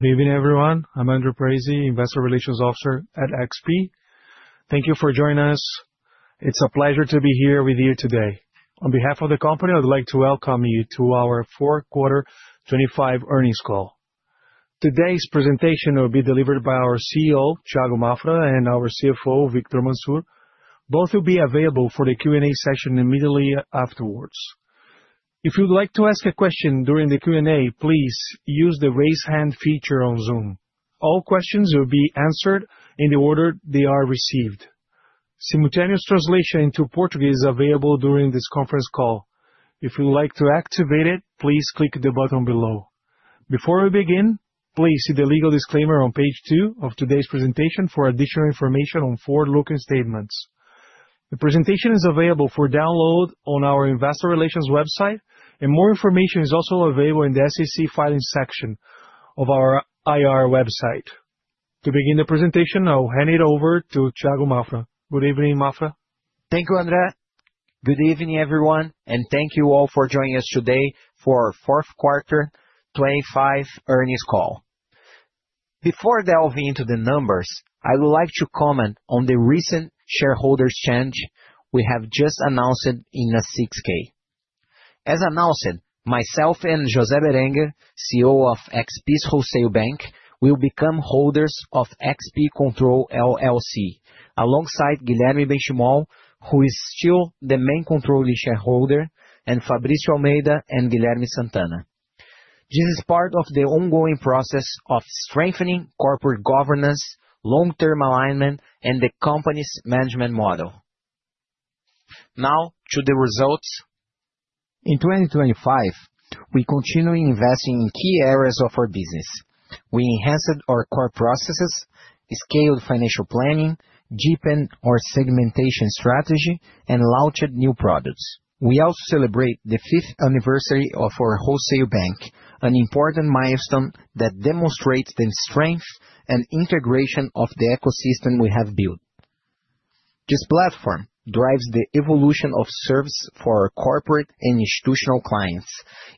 Good evening, everyone. I'm André Parize, Investor Relations Officer at XP. Thank you for joining us. It's a pleasure to be here with you today. On behalf of the company, I would like to welcome you to our fourth quarter 2025 earnings call. Today's presentation will be delivered by our CEO, Thiago Maffra, and our CFO, Victor Mansur. Both will be available for the Q&A session immediately afterwards. If you'd like to ask a question during the Q&A, please use the Raise Hand feature on Zoom. All questions will be answered in the order they are received. Simultaneous translation into Portuguese is available during this conference call. If you would like to activate it, please click the button below. Before we begin, please see the legal disclaimer on page two of today's presentation for additional information on forward-looking statements. The presentation is available for download on our investor relations website, and more information is also available in the SEC filing section of our IR website. To begin the presentation, I'll hand it over to Thiago Maffra. Good evening, Maffra. Thank you, André. Good evening, everyone, and thank you all for joining us today for our fourth quarter 2025 earnings call. Before delving into the numbers, I would like to comment on the recent shareholders change we have just announced in a 6-K. As announced, myself and José Berenguer, CEO of XP Wholesale Bank, will become holders of XP Control LLC, alongside Guilherme Benchimol, who is still the main controlling shareholder, and Fabrício Almeida and Guilherme Sant’Anna. This is part of the ongoing process of strengthening corporate governance, long-term alignment, and the company's management model. Now to the results. In 2025, we continued investing in key areas of our business. We enhanced our core processes, scaled financial planning, deepened our segmentation strategy, and launched new products. We also celebrate the fifth anniversary of our wholesale bank, an important milestone that demonstrates the strength and integration of the ecosystem we have built. This platform drives the evolution of services for our corporate and institutional clients,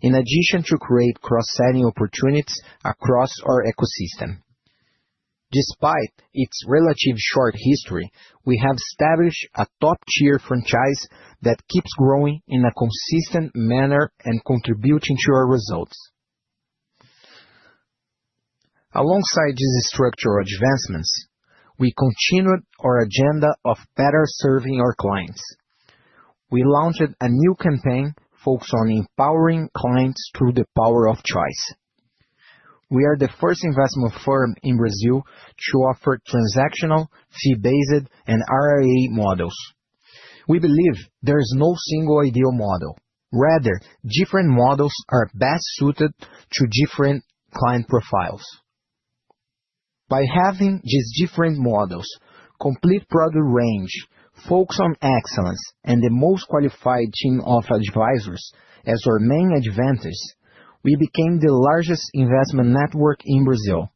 in addition to create cross-selling opportunities across our ecosystem. Despite its relatively short history, we have established a top-tier franchise that keeps growing in a consistent manner and contributing to our results. Alongside these structural advancements, we continued our agenda of better serving our clients. We launched a new campaign focused on empowering clients through the power of choice. We are the first investment firm in Brazil to offer transactional, fee-based, and RIA models. We believe there is no single ideal model; rather, different models are best suited to different client profiles. By having these different models, complete product range, focus on excellence, and the most qualified team of advisors as our main advantage, we became the largest investment network in Brazil.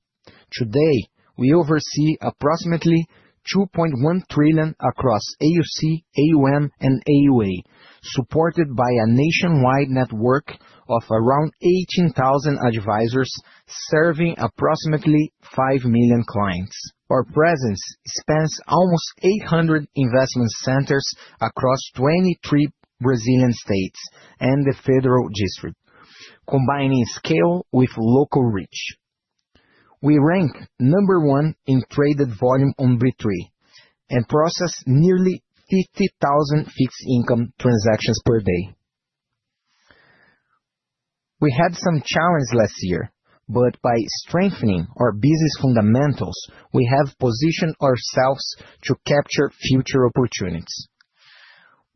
Today, we oversee approximately 2.1 trillion across AUC, AUM, and AUA, supported by a nationwide network of around 18,000 advisors, serving approximately five million clients. Our presence spans almost 800 investment centers across 23 Brazilian states and the Federal District, combining scale with local reach. We rank number one in traded volume on B3 and process nearly 50,000 fixed income transactions per day. We had some challenges last year, but by strengthening our business fundamentals, we have positioned ourselves to capture future opportunities.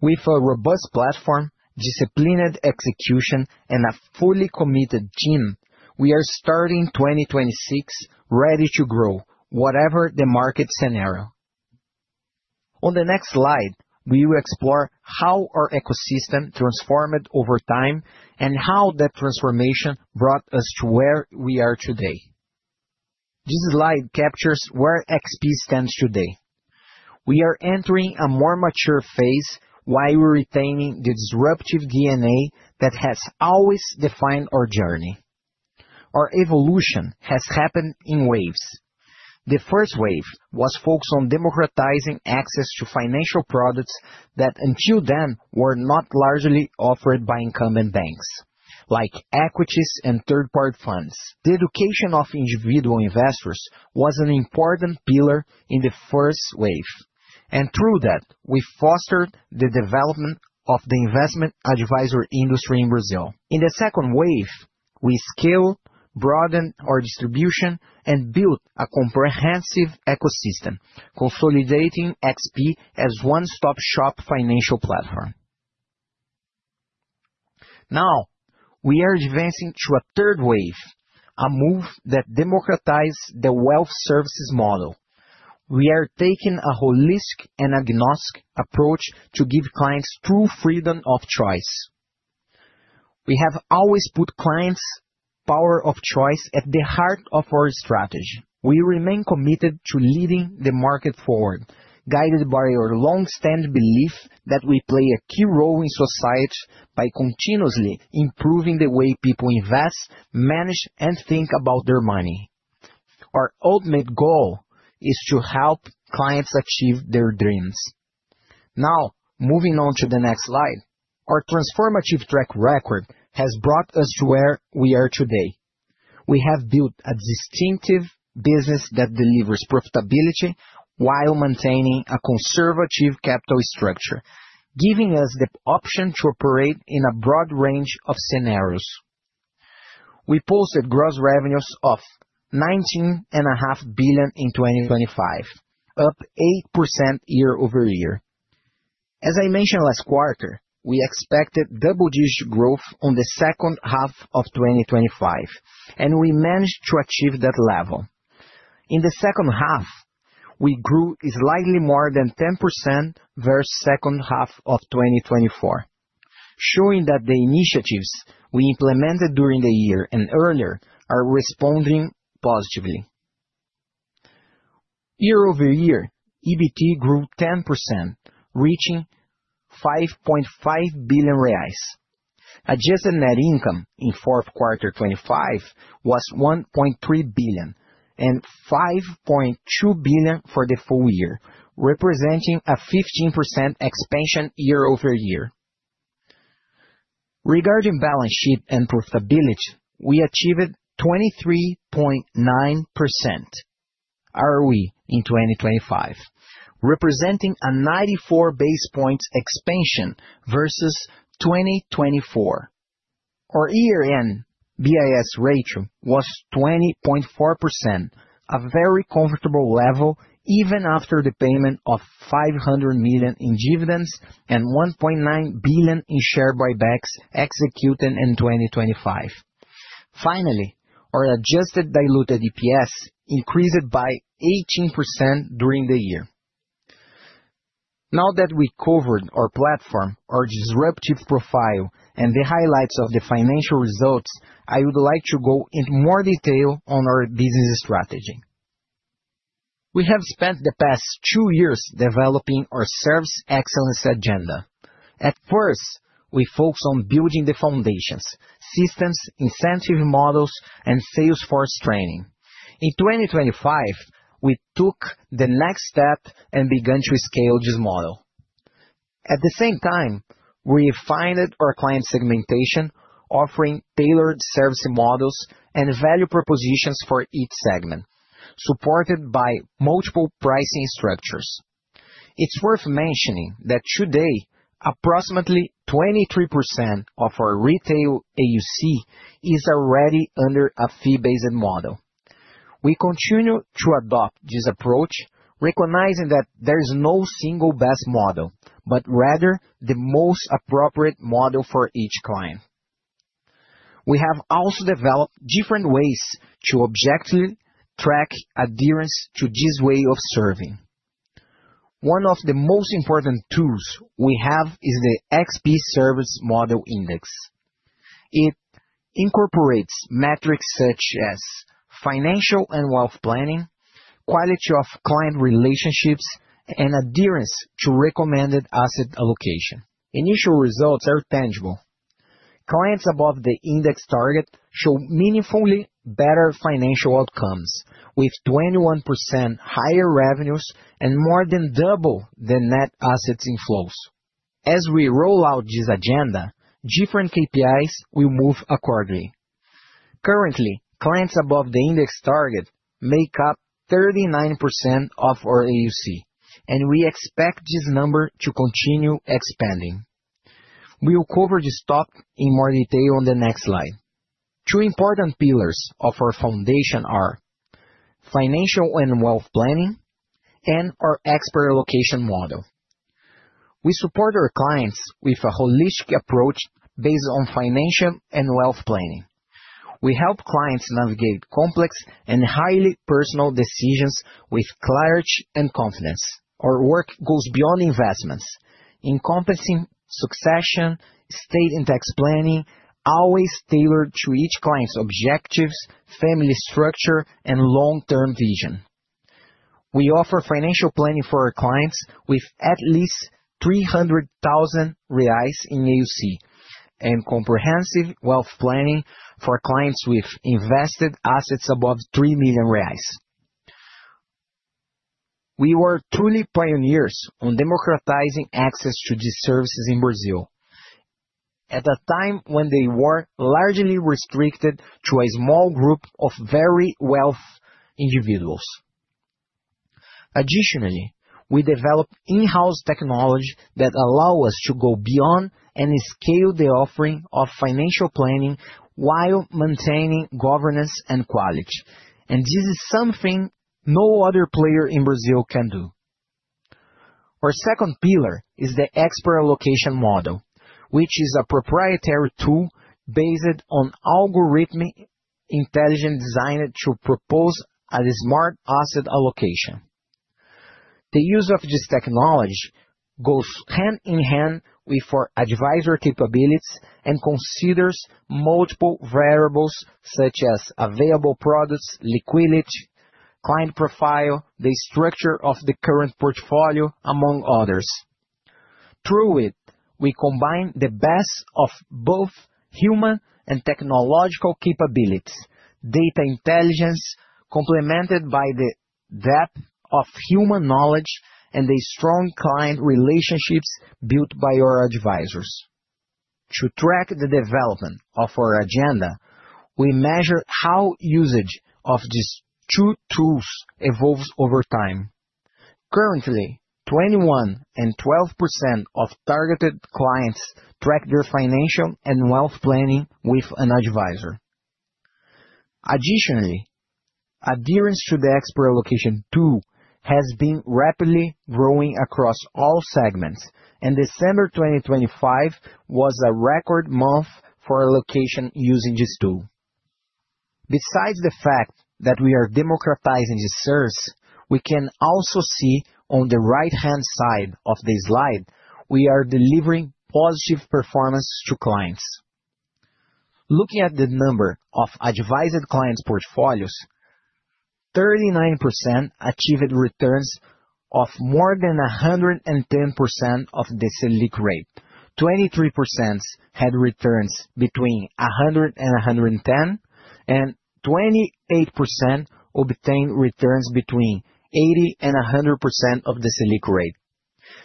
With a robust platform, disciplined execution, and a fully committed team, we are starting 2026 ready to grow, whatever the market scenario. On the next slide, we will explore how our ecosystem transformed over time and how that transformation brought us to where we are today. This slide captures where XP stands today. We are entering a more mature phase while retaining the disruptive DNA that has always defined our journey. Our evolution has happened in waves. The first wave was focused on democratizing access to financial products that, until then, were not largely offered by incumbent banks, like equities and third-party funds. The education of individual investors was an important pillar in the first wave, and through that, we fostered the development of the investment advisory industry in Brazil. In the second wave, we scaled, broadened our distribution, and built a comprehensive ecosystem, consolidating XP as one-stop-shop financial platform. Now, we are advancing to a third wave, a move that democratize the wealth services model. We are taking a holistic and agnostic approach to give clients true freedom of choice. We have always put clients' power of choice at the heart of our strategy. We remain committed to leading the market forward, guided by our long-standing belief that we play a key role in society by continuously improving the way people invest, manage, and think about their money. Our ultimate goal is to help clients achieve their dreams. Now, moving on to the next slide. Our transformative track record has brought us to where we are today. We have built a distinctive business that delivers profitability while maintaining a conservative capital structure, giving us the option to operate in a broad range of scenarios. We posted gross revenues of 19.5 billion in 2025, up 8% year-over-year. As I mentioned last quarter, we expected double-digit growth on the second half of 2025, and we managed to achieve that level. In the second half, we grew slightly more than 10% versus second half of 2024, showing that the initiatives we implemented during the year and earlier are responding positively. Year-over-year, EBT grew 10%, reaching 5.5 billion reais. Adjusted net income in fourth quarter 2025 was 1.3 billion and 5.2 billion for the full year, representing a 15% expansion year-over-year. Regarding balance sheet and profitability, we achieved 23.9% ROE in 2025, representing a ninety-four basis points expansion versus 2024. Our year-end BIS ratio was 20.4%, a very comfortable level, even after the payment of 500 million in dividends and 1.9 billion in share buybacks executed in 2025. Finally, our adjusted diluted EPS increased by 18% during the year. Now that we covered our platform, our disruptive profile, and the highlights of the financial results, I would like to go into more detail on our business strategy. We have spent the past two years developing our service excellence agenda. At first, we focused on building the foundations, systems, incentive models, and sales force training. In 2025, we took the next step and began to scale this model. At the same time, we refined our client segmentation, offering tailored service models and value propositions for each segment, supported by multiple pricing structures. It's worth mentioning that today, approximately 23% of our retail AUC is already under a fee-based model. We continue to adopt this approach, recognizing that there is no single best model, but rather the most appropriate model for each client. We have also developed different ways to objectively track adherence to this way of serving. One of the most important tools we have is the XP Service Model Index. It incorporates metrics such as financial and wealth planning, quality of client relationships, and adherence to recommended asset allocation. Initial results are tangible. Clients above the index target show meaningfully better financial outcomes, with 21% higher revenues and more than double the net assets inflows. As we roll out this agenda, different KPIs will move accordingly. Currently, clients above the index target make up 39% of our AUC, and we expect this number to continue expanding. We will cover this topic in more detail on the next slide. Two important pillars of our foundation are financial and wealth planning and our expert allocation model. We support our clients with a holistic approach based on financial and wealth planning. We help clients navigate complex and highly personal decisions with clarity and confidence. Our work goes beyond investments, encompassing succession, estate and tax planning, always tailored to each client's objectives, family structure, and long-term vision. We offer financial planning for our clients with at least 300,000 reais in AUC, and comprehensive wealth planning for clients with invested assets above 3 million reais. We were truly pioneers on democratizing access to these services in Brazil at a time when they were largely restricted to a small group of very wealthy individuals. Additionally, we developed in-house technology that allow us to go beyond and scale the offering of financial planning while maintaining governance and quality, and this is something no other player in Brazil can do. Our second pillar is the expert allocation model, which is a proprietary tool based on algorithmic intelligence designed to propose a smart asset allocation. The use of this technology goes hand in hand with our advisory capabilities and considers multiple variables such as available products, liquidity, client profile, the structure of the current portfolio, among others... Through it, we combine the best of both human and technological capabilities, data intelligence, complemented by the depth of human knowledge and the strong client relationships built by our advisors. To track the development of our agenda, we measure how usage of these two tools evolves over time. Currently, 21% and 12% of targeted clients track their financial and wealth planning with an advisor. Additionally, adherence to the expert allocation tool has been rapidly growing across all segments, and December 2025 was a record month for allocation using this tool. Besides the fact that we are democratizing this service, we can also see on the right-hand side of the slide, we are delivering positive performance to clients. Looking at the number of advised clients portfolios, 39% achieved returns of more than 110% of the Selic rate. 23% had returns between 100 and 110, and 28% obtained returns between 80 and 100% of the Selic rate.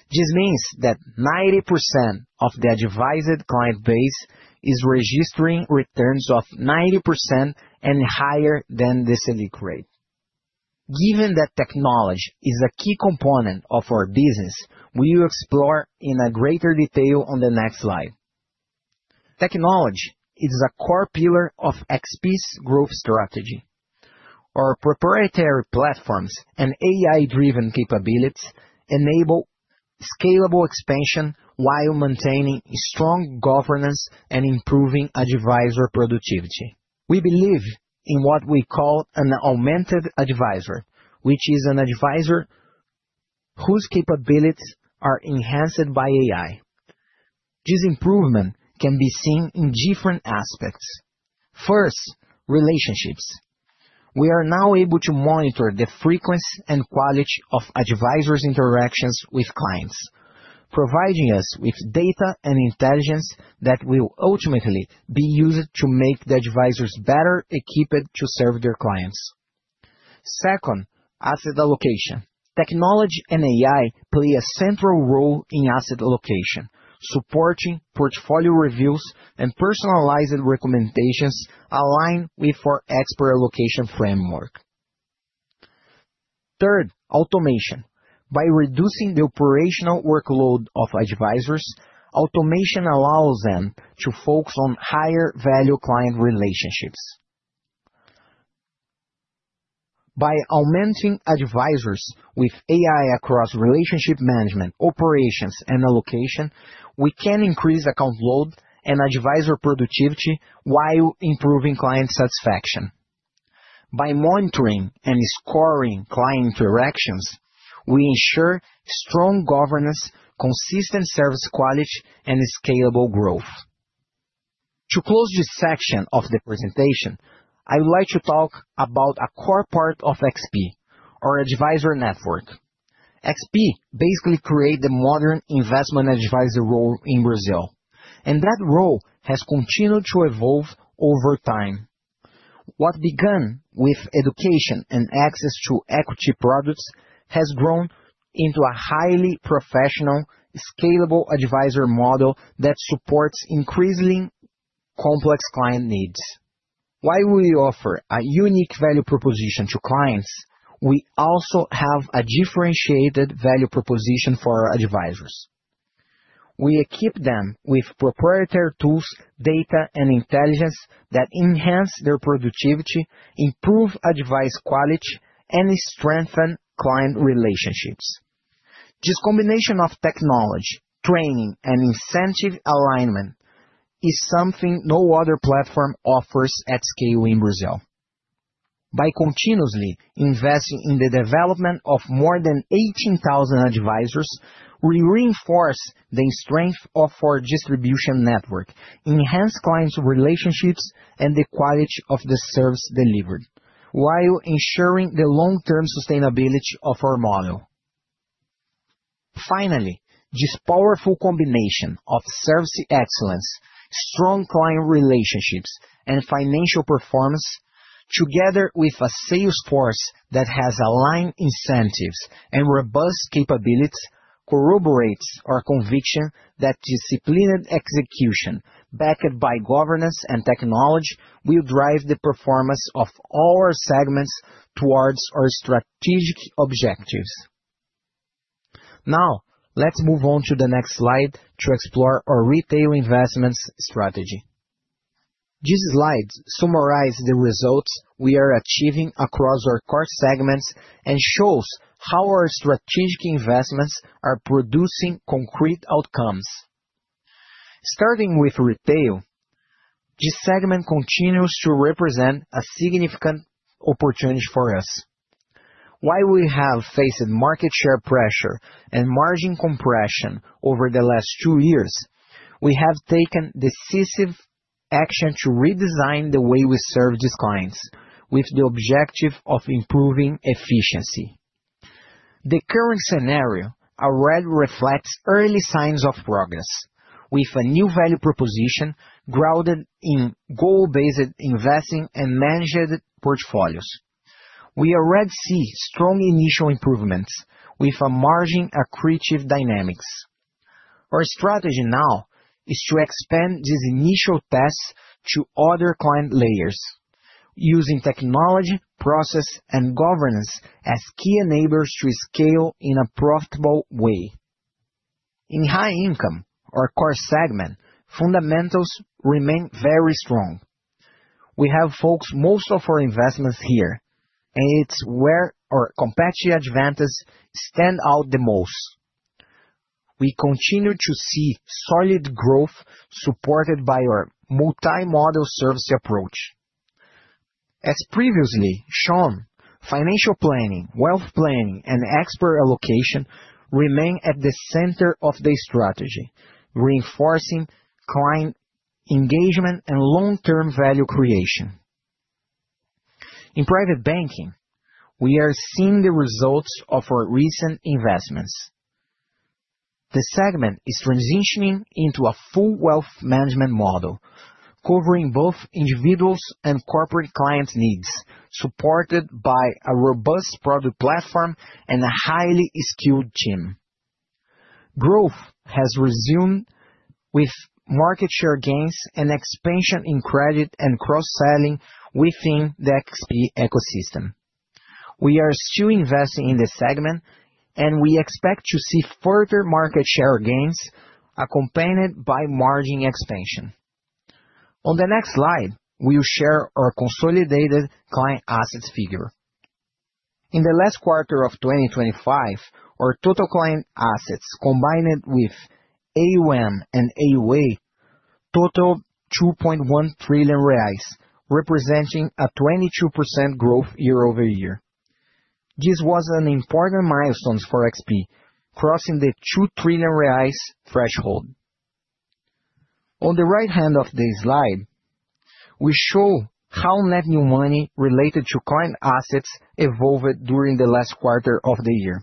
This means that 90% of the advised client base is registering returns of 90% and higher than the Selic rate. Given that technology is a key component of our business, we will explore in a greater detail on the next slide. Technology is a core pillar of XP's growth strategy. Our proprietary platforms and AI-driven capabilities enable scalable expansion while maintaining strong governance and improving advisor productivity. We believe in what we call an augmented advisor, which is an advisor whose capabilities are enhanced by AI. This improvement can be seen in different aspects. First, relationships. We are now able to monitor the frequency and quality of advisors' interactions with clients, providing us with data and intelligence that will ultimately be used to make the advisors better equipped to serve their clients. Second, asset allocation. Technology and AI play a central role in asset allocation, supporting portfolio reviews and personalized recommendations aligned with our expert allocation framework. Third, automation. By reducing the operational workload of advisors, automation allows them to focus on higher value client relationships. By augmenting advisors with AI across relationship management, operations, and allocation, we can increase account load and advisor productivity while improving client satisfaction. By monitoring and scoring client interactions, we ensure strong governance, consistent service quality, and scalable growth. To close this section of the presentation, I would like to talk about a core part of XP, our advisor network. XP basically created the modern investment advisor role in Brazil, and that role has continued to evolve over time. What began with education and access to equity products has grown into a highly professional, scalable advisor model that supports increasingly complex client needs. While we offer a unique value proposition to clients, we also have a differentiated value proposition for our advisors. We equip them with proprietary tools, data, and intelligence that enhance their productivity, improve advice quality, and strengthen client relationships. This combination of technology, training, and incentive alignment is something no other platform offers at scale in Brazil. By continuously investing in the development of more than 18,000 advisors, we reinforce the strength of our distribution network, enhance clients' relationships, and the quality of the service delivered, while ensuring the long-term sustainability of our model. Finally, this powerful combination of service excellence, strong client relationships, and financial performance, together with a sales force that has aligned incentives and robust capabilities, corroborates our conviction that disciplined execution, backed by governance and technology, will drive the performance of all our segments towards our strategic objectives. Now, let's move on to the next slide to explore our retail investments strategy. This slide summarizes the results we are achieving across our core segments and shows how our strategic investments are producing concrete outcomes. Starting with retail, this segment continues to represent a significant opportunity for us. While we have faced market share pressure and margin compression over the last two years. We have taken decisive action to redesign the way we serve these clients, with the objective of improving efficiency. The current scenario already reflects early signs of progress, with a new value proposition grounded in goal-based investing and managed portfolios. We already see strong initial improvements with a margin accretive dynamics. Our strategy now is to expand this initial test to other client layers, using technology, process, and governance as key enablers to scale in a profitable way. In high income, our core segment, fundamentals remain very strong. We have focused most of our investments here, and it's where our competitive advantage stand out the most. We continue to see solid growth, supported by our multi-model service approach. As previously shown, financial planning, wealth planning, and expert allocation remain at the center of the strategy, reinforcing client engagement and long-term value creation. In private banking, we are seeing the results of our recent investments. The segment is transitioning into a full wealth management model, covering both individuals and corporate client needs, supported by a robust product platform and a highly skilled team. Growth has resumed with market share gains and expansion in credit and cross-selling within the XP ecosystem. We are still investing in this segment, and we expect to see further market share gains, accompanied by margin expansion. On the next slide, we'll share our consolidated client assets figure. In the last quarter of 2025, our total client assets, combined with AUM and AUA, total 2.1 trillion reais, representing a 22% growth year-over-year. This was an important milestone for XP, crossing the 2 trillion reais threshold. On the right hand of this slide, we show how net new money related to client assets evolved during the last quarter of the year.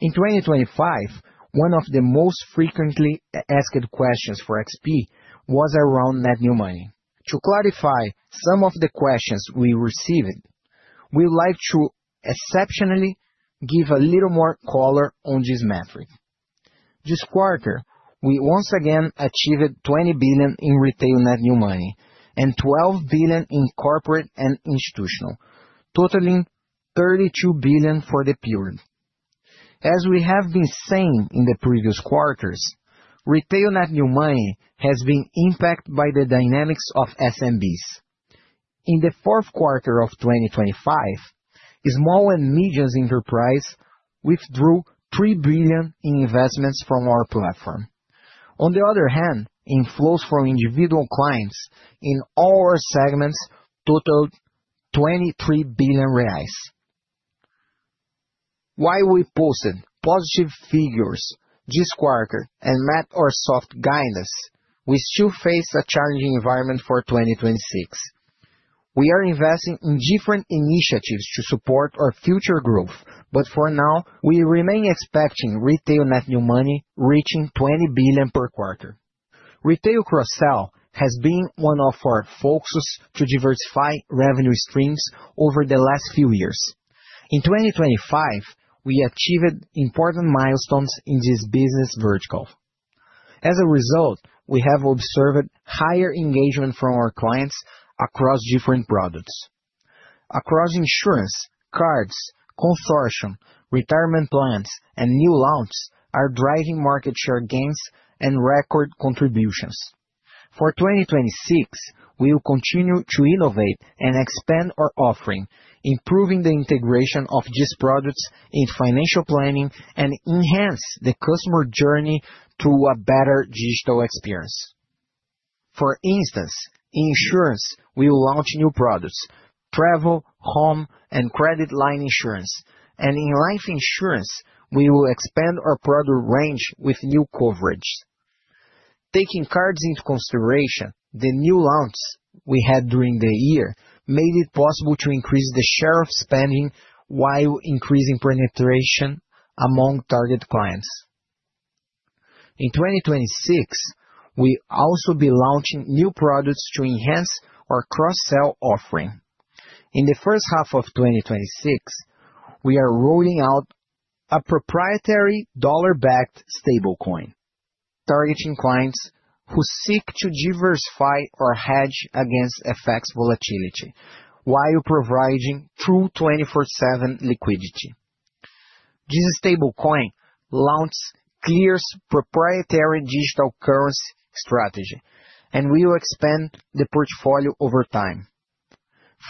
In 2025, one of the most frequently asked questions for XP was around net new money. To clarify some of the questions we received, we'd like to exceptionally give a little more color on this metric. This quarter, we once again achieved 20 billion in retail net new money and 12 billion in corporate and institutional, totaling 32 billion for the period. As we have been saying in the previous quarters, retail net new money has been impacted by the dynamics of SMBs. In the fourth quarter of 2025, small and medium enterprises withdrew 3 billion in investments from our platform. On the other hand, inflows from individual clients in all our segments totaled 23 billion reais. While we posted positive figures this quarter and met our soft guidance, we still face a challenging environment for 2026. We are investing in different initiatives to support our future growth, but for now, we remain expecting retail net new money reaching 20 billion per quarter. Retail cross-sell has been one of our focuses to diversify revenue streams over the last few years. In 2025, we achieved important milestones in this business vertical. As a result, we have observed higher engagement from our clients across different products. Across insurance, cards, consortium, retirement plans, and new launches are driving market share gains and record contributions. For 2026, we will continue to innovate and expand our offering, improving the integration of these products in financial planning and enhance the customer journey through a better digital experience. For instance, in insurance, we will launch new products, travel, home, and credit line insurance, and in life insurance, we will expand our product range with new coverage. Taking cards into consideration, the new launches we had during the year made it possible to increase the share of spending while increasing penetration among target clients. In 2026, we'll also be launching new products to enhance our cross-sell offering. In the first half of 2026, we are rolling out a proprietary dollar-backed stablecoin, targeting clients who seek to diversify or hedge against FX volatility while providing true 24/7 liquidity. This stablecoin launches Clear's proprietary digital currency strategy and will expand the portfolio over time.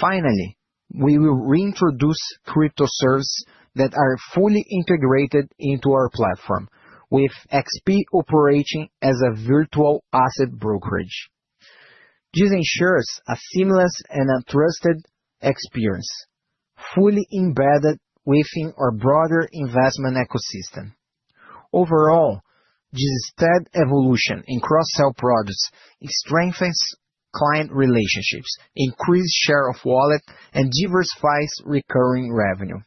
Finally, we will reintroduce crypto services that are fully integrated into our platform, with XP operating as a virtual asset brokerage. This ensures a seamless and trusted experience... fully embedded within our broader investment ecosystem. Overall, this steady evolution in cross-sell products strengthens client relationships, increases share of wallet, and diversifies recurring revenue.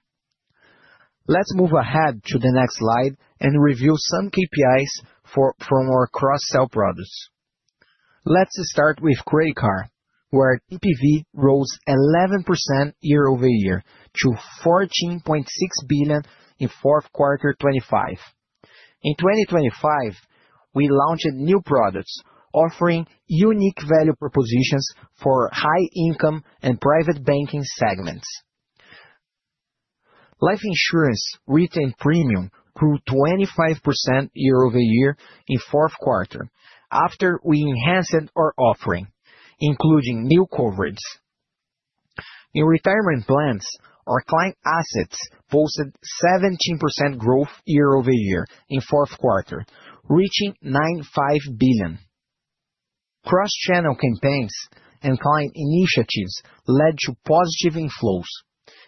Let's move ahead to the next slide and review some KPIs from our cross-sell products. Let's start with credit card, where TPV rose 11% year-over-year to 14.6 billion in fourth quarter 2025. In 2025, we launched new products, offering unique value propositions for high income and private banking segments. Life insurance written premium grew 25% year-over-year in fourth quarter, after we enhanced our offering, including new coverage. In retirement plans, our client assets posted 17% growth year-over-year in fourth quarter, reaching 95 billion. Cross-channel campaigns and client initiatives led to positive inflows.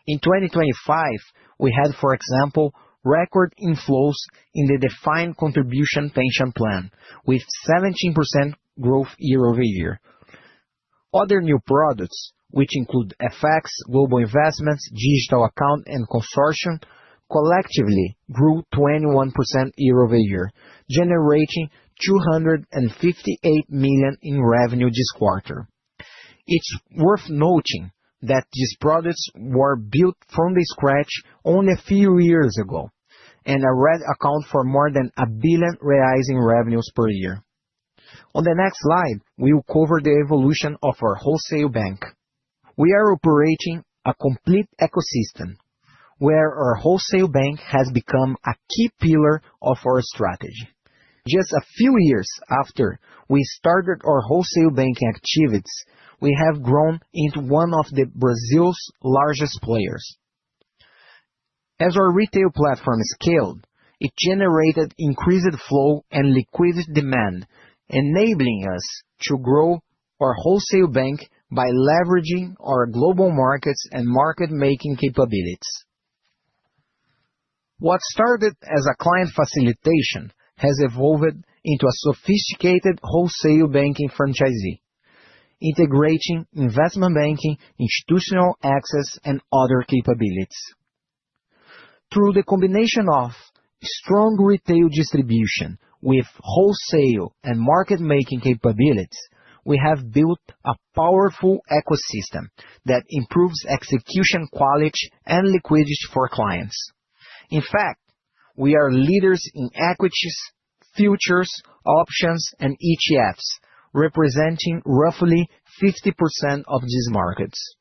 In 2025, we had, for example, record inflows in the defined contribution pension plan, with 17% growth year-over-year. Other new products, which include FX, global investments, digital account, and consortium, collectively grew 21% year-over-year, generating 258 million in revenue this quarter. It's worth noting that these products were built from scratch only a few years ago, and already account for more than 1 billion recurring revenues per year. On the next slide, we will cover the evolution of our wholesale bank. We are operating a complete ecosystem, where our wholesale bank has become a key pillar of our strategy. Just a few years after we started our wholesale banking activities, we have grown into one of Brazil's largest players. As our retail platform scaled, it generated increased flow and liquidity demand, enabling us to grow our wholesale bank by leveraging our global markets and market-making capabilities. What started as a client facilitation has evolved into a sophisticated wholesale banking franchise, integrating investment banking, institutional access, and other capabilities. Through the combination of strong retail distribution with wholesale and market-making capabilities, we have built a powerful ecosystem that improves execution quality and liquidity for clients. In fact, we are leaders in equities, futures, options, and ETFs, representing roughly 50% of these markets.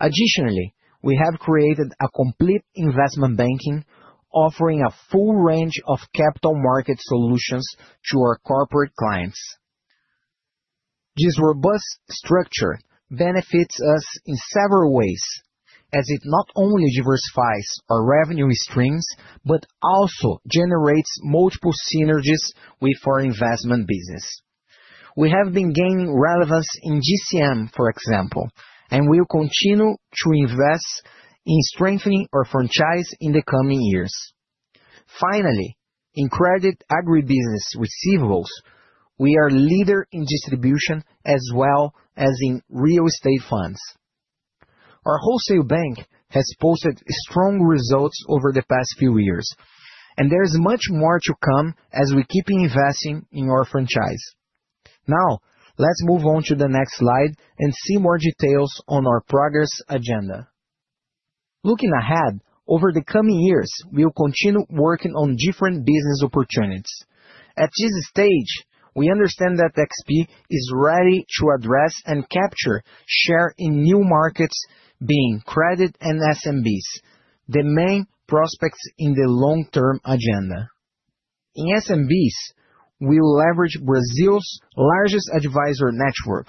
Additionally, we have created a complete investment banking, offering a full range of capital market solutions to our corporate clients. This robust structure benefits us in several ways, as it not only diversifies our revenue streams, but also generates multiple synergies with our investment business. We have been gaining relevance in GCM, for example, and we will continue to invest in strengthening our franchise in the coming years. Finally, in credit agribusiness receivables, we are leader in distribution as well as in real estate funds. Our wholesale bank has posted strong results over the past few years, and there is much more to come as we keep investing in our franchise. Now, let's move on to the next slide and see more details on our progress agenda. Looking ahead, over the coming years, we will continue working on different business opportunities. At this stage, we understand that XP is ready to address and capture share in new markets, being credit and SMBs, the main prospects in the long-term agenda. In SMBs, we will leverage Brazil's largest advisor network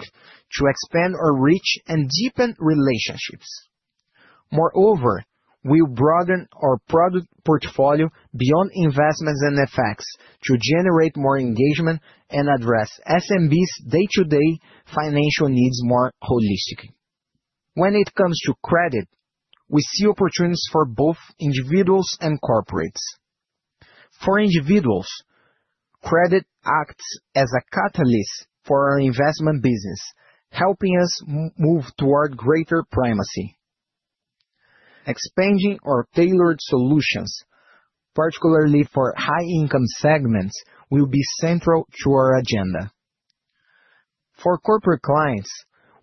to expand our reach and deepen relationships. Moreover, we'll broaden our product portfolio beyond investments and assets to generate more engagement and address SMB's day-to-day financial needs more holistically. When it comes to credit, we see opportunities for both individuals and corporates. For individuals, credit acts as a catalyst for our investment business, helping us move toward greater primacy. Expanding our tailored solutions, particularly for high-income segments, will be central to our agenda. For corporate clients,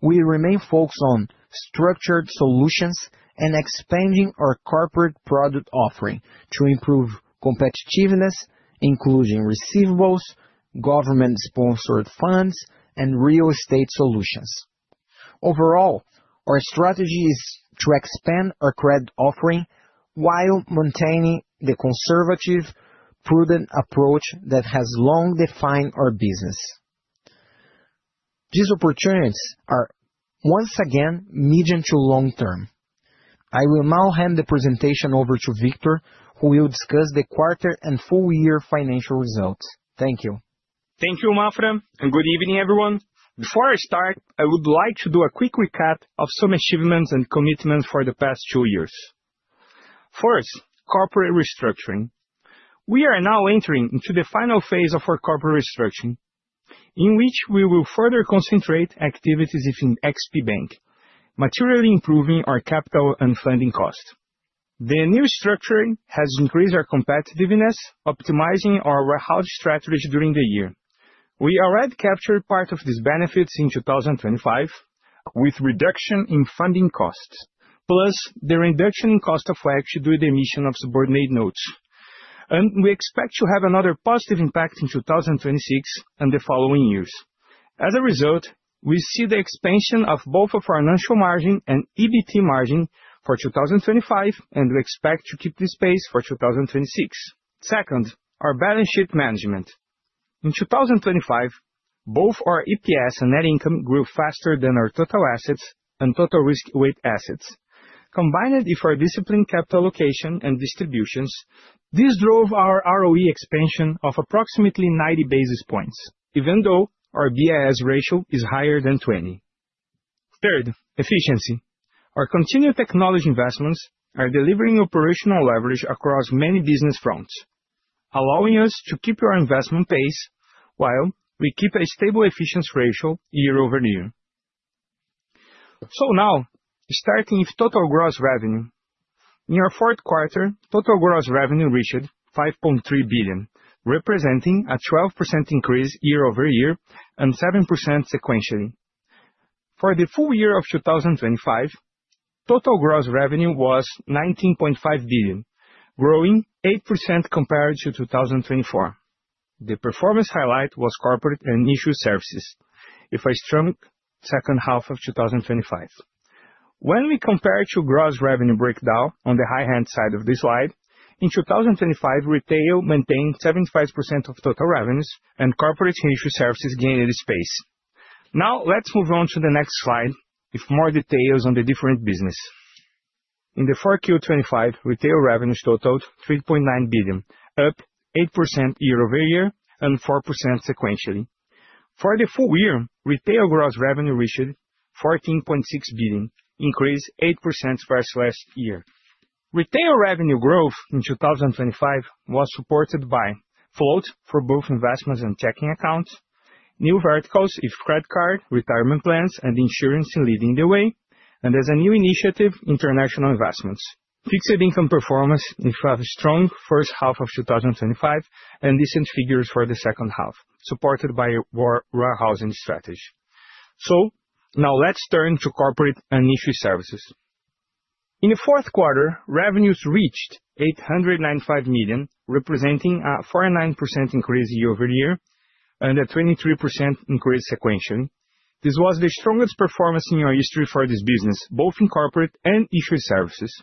we remain focused on structured solutions and expanding our corporate product offering to improve competitiveness, including receivables, government-sponsored funds, and real estate solutions. Overall, our strategy is to expand our credit offering while maintaining the conservative, prudent approach that has long defined our business. These opportunities are once again, medium to long term. I will now hand the presentation over to Victor, who will discuss the quarter and full-year financial results. Thank you.... Thank you, Maffra, and good evening, everyone. Before I start, I would like to do a quick recap of some achievements and commitments for the past two years. First, corporate restructuring. We are now entering into the final phase of our corporate restructuring, in which we will further concentrate activities within XP Bank, materially improving our capital and funding cost. The new structure has increased our competitiveness, optimizing our warehouse strategies during the year. We already captured part of these benefits in 2025, with reduction in funding costs, plus the reduction in cost of equity through the emission of subordinate notes. And we expect to have another positive impact in 2026 and the following years. As a result, we see the expansion of both of our financial margin and EBT margin for 2025, and we expect to keep this pace for 2026. Second, our balance sheet management. In 2025, both our EPS and net income grew faster than our total assets and total risk-weighted assets. Combined with our disciplined capital allocation and distributions, this drove our ROE expansion of approximately 90 basis points, even though our BIS ratio is higher than 20. Third, efficiency. Our continued technology investments are delivering operational leverage across many business fronts, allowing us to keep our investment pace while we keep a stable efficiency ratio year-over-year. So now, starting with total gross revenue. In our fourth quarter, total gross revenue reached 5.3 billion, representing a 12% increase year-over-year and 7% sequentially. For the full year of 2025, total gross revenue was 19.5 billion, growing 8% compared to 2024. The performance highlight was corporate and issuer services, with a strong second half of 2025. When we compare to gross revenue breakdown on the right-hand side of this slide, in 2025, retail maintained 75% of total revenues and corporate issuer services gained its space. Now, let's move on to the next slide with more details on the different business. In the 4Q25, retail revenues totaled 3.9 billion, up 8% year-over-year and 4% sequentially. For the full year, retail gross revenue reached 14.6 billion, increased 8% versus last year. Retail revenue growth in 2025 was supported by float for both investments and checking accounts, new verticals with credit card, retirement plans, and insurance leading the way, and as a new initiative, international investments. Fixed income performance, we have a strong first half of 2025 and decent figures for the second half, supported by our warehousing strategy. So now let's turn to corporate and issuer services. In the fourth quarter, revenues reached 895 million, representing a 49% increase year-over-year and a 23% increase sequentially. This was the strongest performance in our history for this business, both in corporate and issuer services.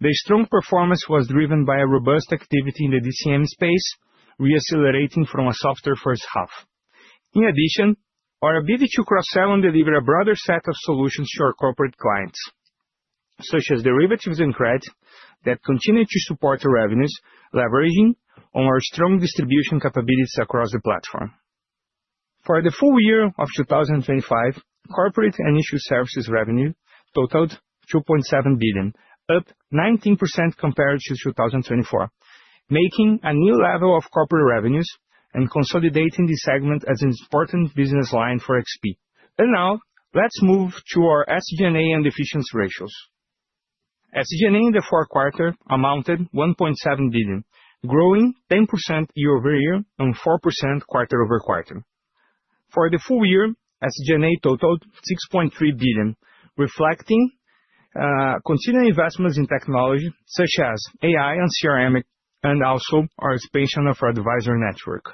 The strong performance was driven by a robust activity in the DCM space, reaccelerating from a softer first half. In addition, our ability to cross-sell and deliver a broader set of solutions to our corporate clients, such as derivatives and credit, that continued to support the revenues, leveraging on our strong distribution capabilities across the platform. For the full year of 2025, corporate and issuer services revenue totaled 2.7 billion, up 19% compared to 2024, making a new level of corporate revenues and consolidating this segment as an important business line for XP. And now, let's move to our SG&A and efficiency ratios. SG&A in the fourth quarter amounted 1.7 billion, growing 10% year-over-year and 4% quarter-over-quarter. For the full year, SG&A totaled 6.3 billion, reflecting continuing investments in technology such as AI and CRM, and also our expansion of our advisor network.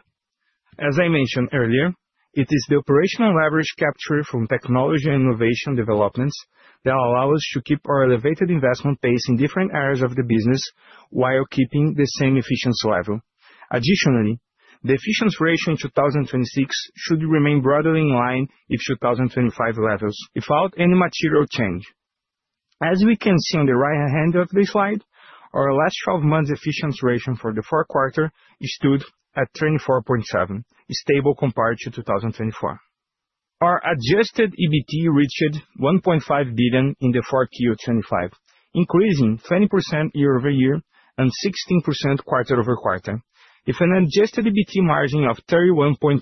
As I mentioned earlier, it is the operational leverage captured from technology and innovation developments that allow us to keep our elevated investment pace in different areas of the business while keeping the same efficiency level. Additionally, the efficiency ratio in 2026 should remain broadly in line with 2025 levels, without any material change. As we can see on the right-hand of this slide, our last twelve months efficiency ratio for the fourth quarter stood at 24.7, stable compared to 2024. Our adjusted EBT reached 1.5 billion in the 4Q25, increasing 20% year-over-year and 16% quarter-over-quarter, with an adjusted EBT margin of 31.3%,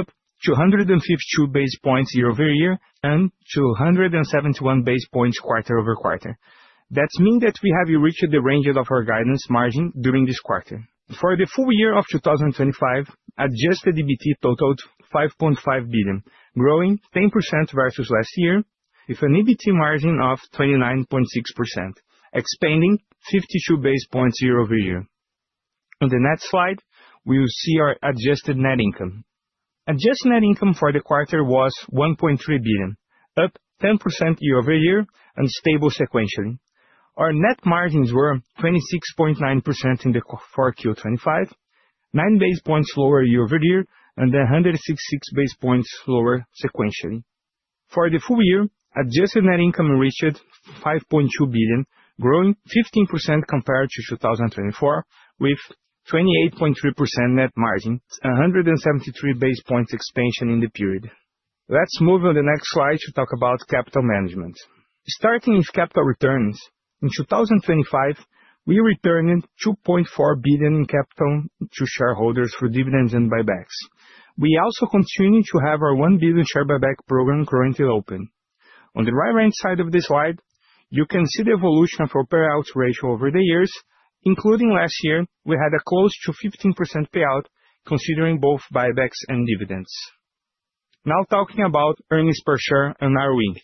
up 252 basis points year-over-year, and 271 basis points quarter-over-quarter. That means that we have reached the range of our guidance margin during this quarter. For the full year of 2025, adjusted EBT totaled 5.5 billion, growing 10% versus last year, with an EBT margin of 29.6%, expanding 52 base points year-over-year. On the next slide, we will see our adjusted net income. Adjusted net income for the quarter was 1.3 billion, up 10% year over year and stable sequentially. Our net margins were 26.9% in the 4Q25, nine base points lower year-over-year, and 166 base points lower sequentially.... For the full year, adjusted net income reached 5.2 billion, growing 15% compared to 2024, with 28.3% net margin, 173 base points expansion in the period. Let's move on the next slide to talk about capital management. Starting with capital returns, in 2025, we returned 2.4 billion in capital to shareholders for dividends and buybacks. We also continue to have our 1 billion share buyback program currently open. On the right-hand side of this slide, you can see the evolution of our payout ratio over the years, including last year, we had a close to 15% payout, considering both buybacks and dividends. Now, talking about earnings per share and ROE.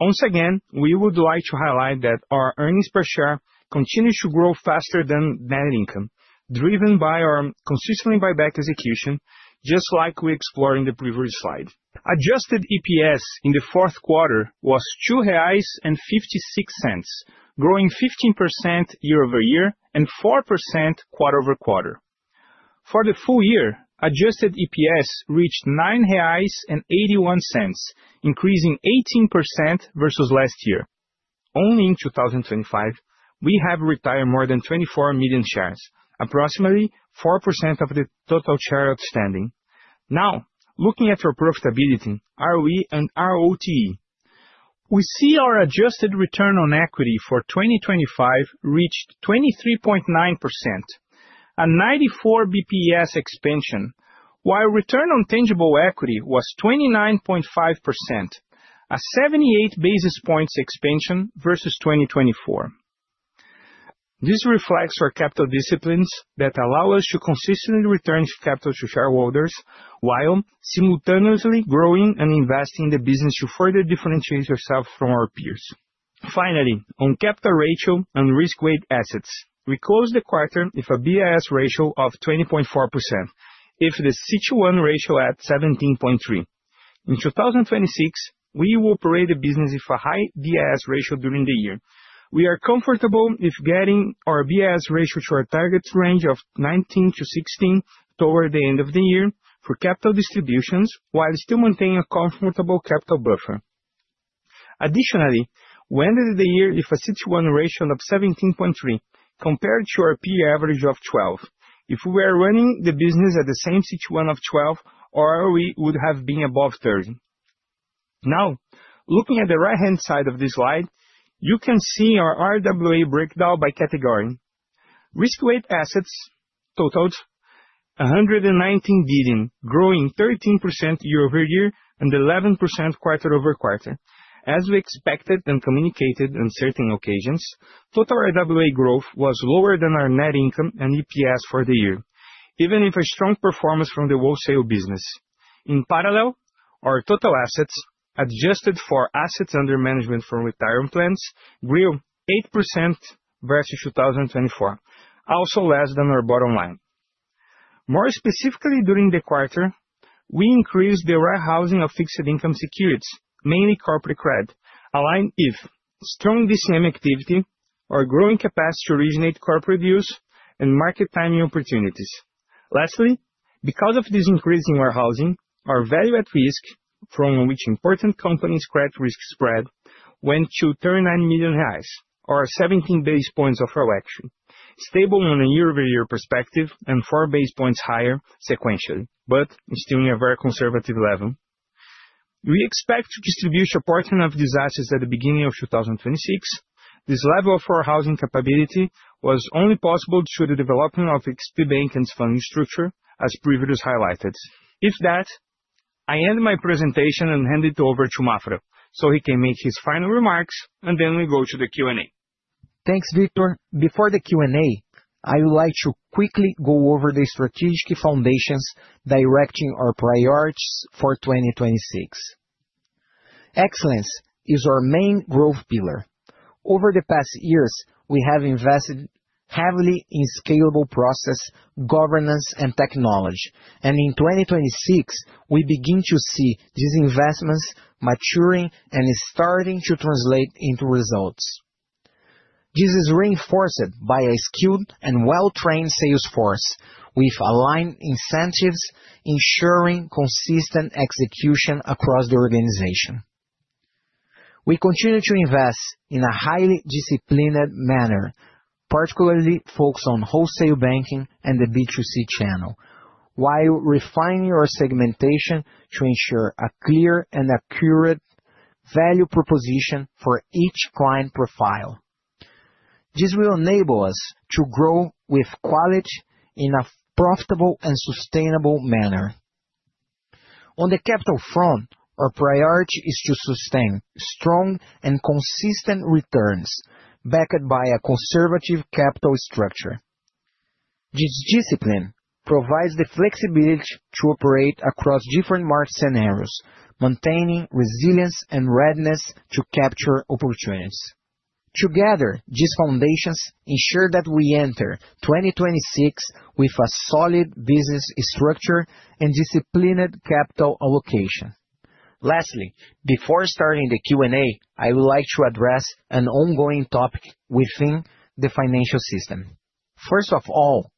Once again, we would like to highlight that our earnings per share continues to grow faster than net income, driven by our consistent buyback execution, just like we explored in the previous slide. Adjusted EPS in the fourth quarter was 2.56 reais, growing 15% year-over-year, and 4% quarter-over-quarter. For the full year, adjusted EPS reached 9.81 reais, increasing 18% versus last year. Only in 2025, we have retired more than 24 million shares, approximately 4% of the total shares outstanding. Now, looking at our profitability, ROE and ROTE. We see our adjusted return on equity for 2025 reached 23.9%, a 94 BPS expansion, while return on tangible equity was 29.5%, a 78 basis points expansion versus 2024. This reflects our capital disciplines that allow us to consistently return capital to shareholders, while simultaneously growing and investing in the business to further differentiate ourselves from our peers. Finally, on capital ratio and risk-weighted assets, we closed the quarter with a BIS ratio of 20.4%. With the CET1 ratio at 17.3%. In 2026, we will operate the business with a high BIS ratio during the year. We are comfortable with getting our BIS ratio to our target range of 19-16 toward the end of the year for capital distributions, while still maintaining a comfortable capital buffer. Additionally, we ended the year with a CET1 ratio of 17.3, compared to our peer average of 12. If we were running the business at the same CET1 of 12, our ROE would have been above 30. Now, looking at the right-hand side of this slide, you can see our RWA breakdown by category. Risk-weighted assets totaled 119 billion, growing 13% year-over-year and 11% quarter-over-quarter. As we expected and communicated on certain occasions, total RWA growth was lower than our net income and EPS for the year, even if a strong performance from the wholesale business. In parallel, our total assets, adjusted for assets under management from retirement plans, grew 8% versus 2024, also less than our bottom line. More specifically, during the quarter, we increased the warehousing of fixed income securities, mainly corporate credit, aligned with strong DCM activity, our growing capacity to originate corporate deals, and market timing opportunities. Lastly, because of this increase in warehousing, our value at risk from which important companies credit risk spread, went to 39 million reais, or 17 basis points of our RWA, stable on a year-over-year perspective and four basis points higher sequentially, but still in a very conservative level. We expect to distribute a portion of these assets at the beginning of 2026. This level of warehousing capability was only possible through the development of XP Bank and funding structure, as previously highlighted. With that, I end my presentation and hand it over to Maffra, so he can make his final remarks, and then we go to the Q&A. Thanks, Victor. Before the Q&A, I would like to quickly go over the strategic foundations directing our priorities for 2026. Excellence is our main growth pillar. Over the past years, we have invested heavily in scalable process, governance, and technology, and in 2026, we begin to see these investments maturing and starting to translate into results. This is reinforced by a skilled and well-trained sales force, with aligned incentives, ensuring consistent execution across the organization. We continue to invest in a highly disciplined manner, particularly focused on wholesale banking and the B2C channel, while refining our segmentation to ensure a clear and accurate value proposition for each client profile. This will enable us to grow with quality in a profitable and sustainable manner. On the capital front, our priority is to sustain strong and consistent returns, backed by a conservative capital structure. This discipline provides the flexibility to operate across different market scenarios, maintaining resilience and readiness to capture opportunities. Together, these foundations ensure that we enter 2026 with a solid business structure and disciplined capital allocation. Lastly, before starting the Q&A, I would like to address an ongoing topic within the financial system. First of all,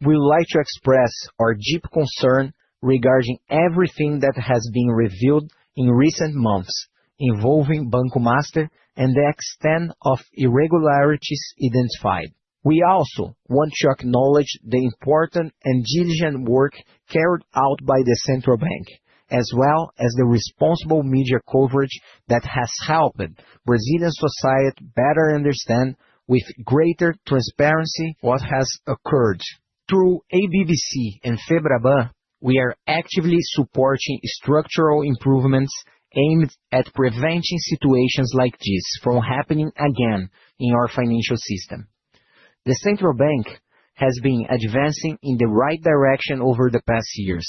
we would like to express our deep concern regarding everything that has been revealed in recent months, involving Banco Master and the extent of irregularities identified. We also want to acknowledge the important and diligent work carried out by the Central Bank, as well as the responsible media coverage that has helped Brazilian society better understand, with greater transparency, what has occurred. Through ABBC and FEBRABAN, we are actively supporting structural improvements aimed at preventing situations like this from happening again in our financial system. The Central Bank has been advancing in the right direction over the past years,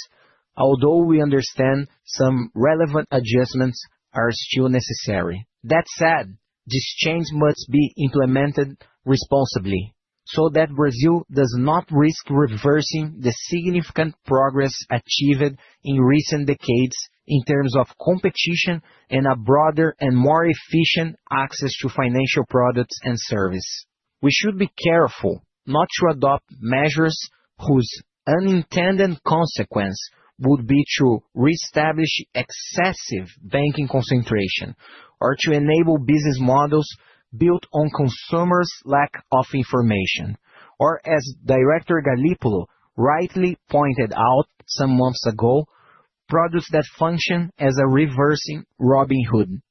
although we understand some relevant adjustments are still necessary. That said, this change must be implemented responsibly, so that Brazil does not risk reversing the significant progress achieved in recent decades in terms of competition and a broader and more efficient access to financial products and services. We should be careful not to adopt measures whose unintended consequence would be to reestablish excessive banking concentration, or to enable business models built on consumers' lack of information. Or, as Director Galípolo rightly pointed out some months ago, products that function as a reversing Robin Hood.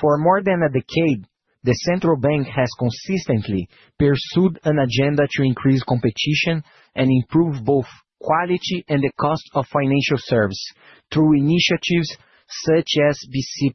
For more than a decade, the Central Bank has consistently pursued an agenda to increase competition and improve both quality and the cost of financial services through initiatives such as BC+.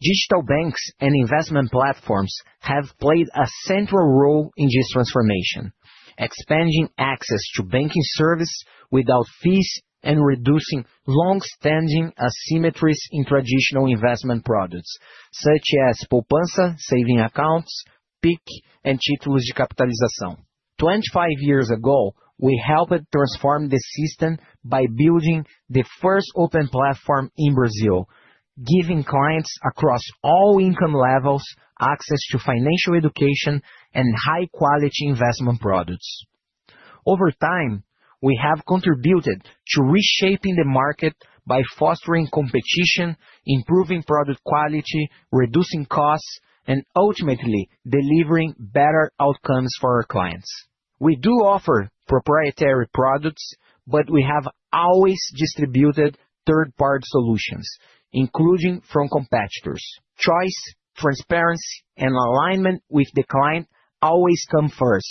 Digital banks and investment platforms have played a central role in this transformation, expanding access to banking service without fees and reducing long-standing asymmetries in traditional investment products, such as Poupança saving accounts, PIC, and títulos de capitalização. 25 years ago, we helped transform the system by building the first open platform in Brazil, giving clients across all income levels access to financial education and high quality investment products. Over time, we have contributed to reshaping the market by fostering competition, improving product quality, reducing costs, and ultimately delivering better outcomes for our clients. We do offer proprietary products, but we have always distributed third-party solutions, including from competitors. Choice, transparency, and alignment with the client always come first.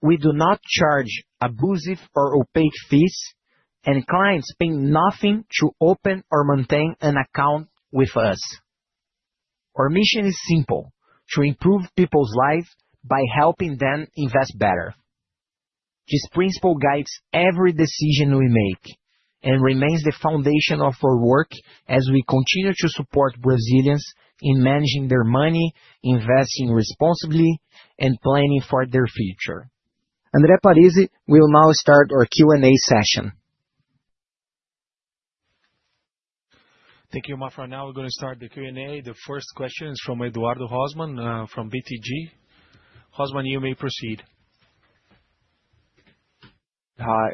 We do not charge abusive or opaque fees, and clients pay nothing to open or maintain an account with us. Our mission is simple: to improve people's lives by helping them invest better. This principle guides every decision we make and remains the foundation of our work as we continue to support Brazilians in managing their money, investing responsibly, and planning for their future. André Parize will now start our Q&A session. Thank you, Maffra. Now we're gonna start the Q&A. The first question is from Eduardo Rosman, from BTG. Rosman, you may proceed. Hi.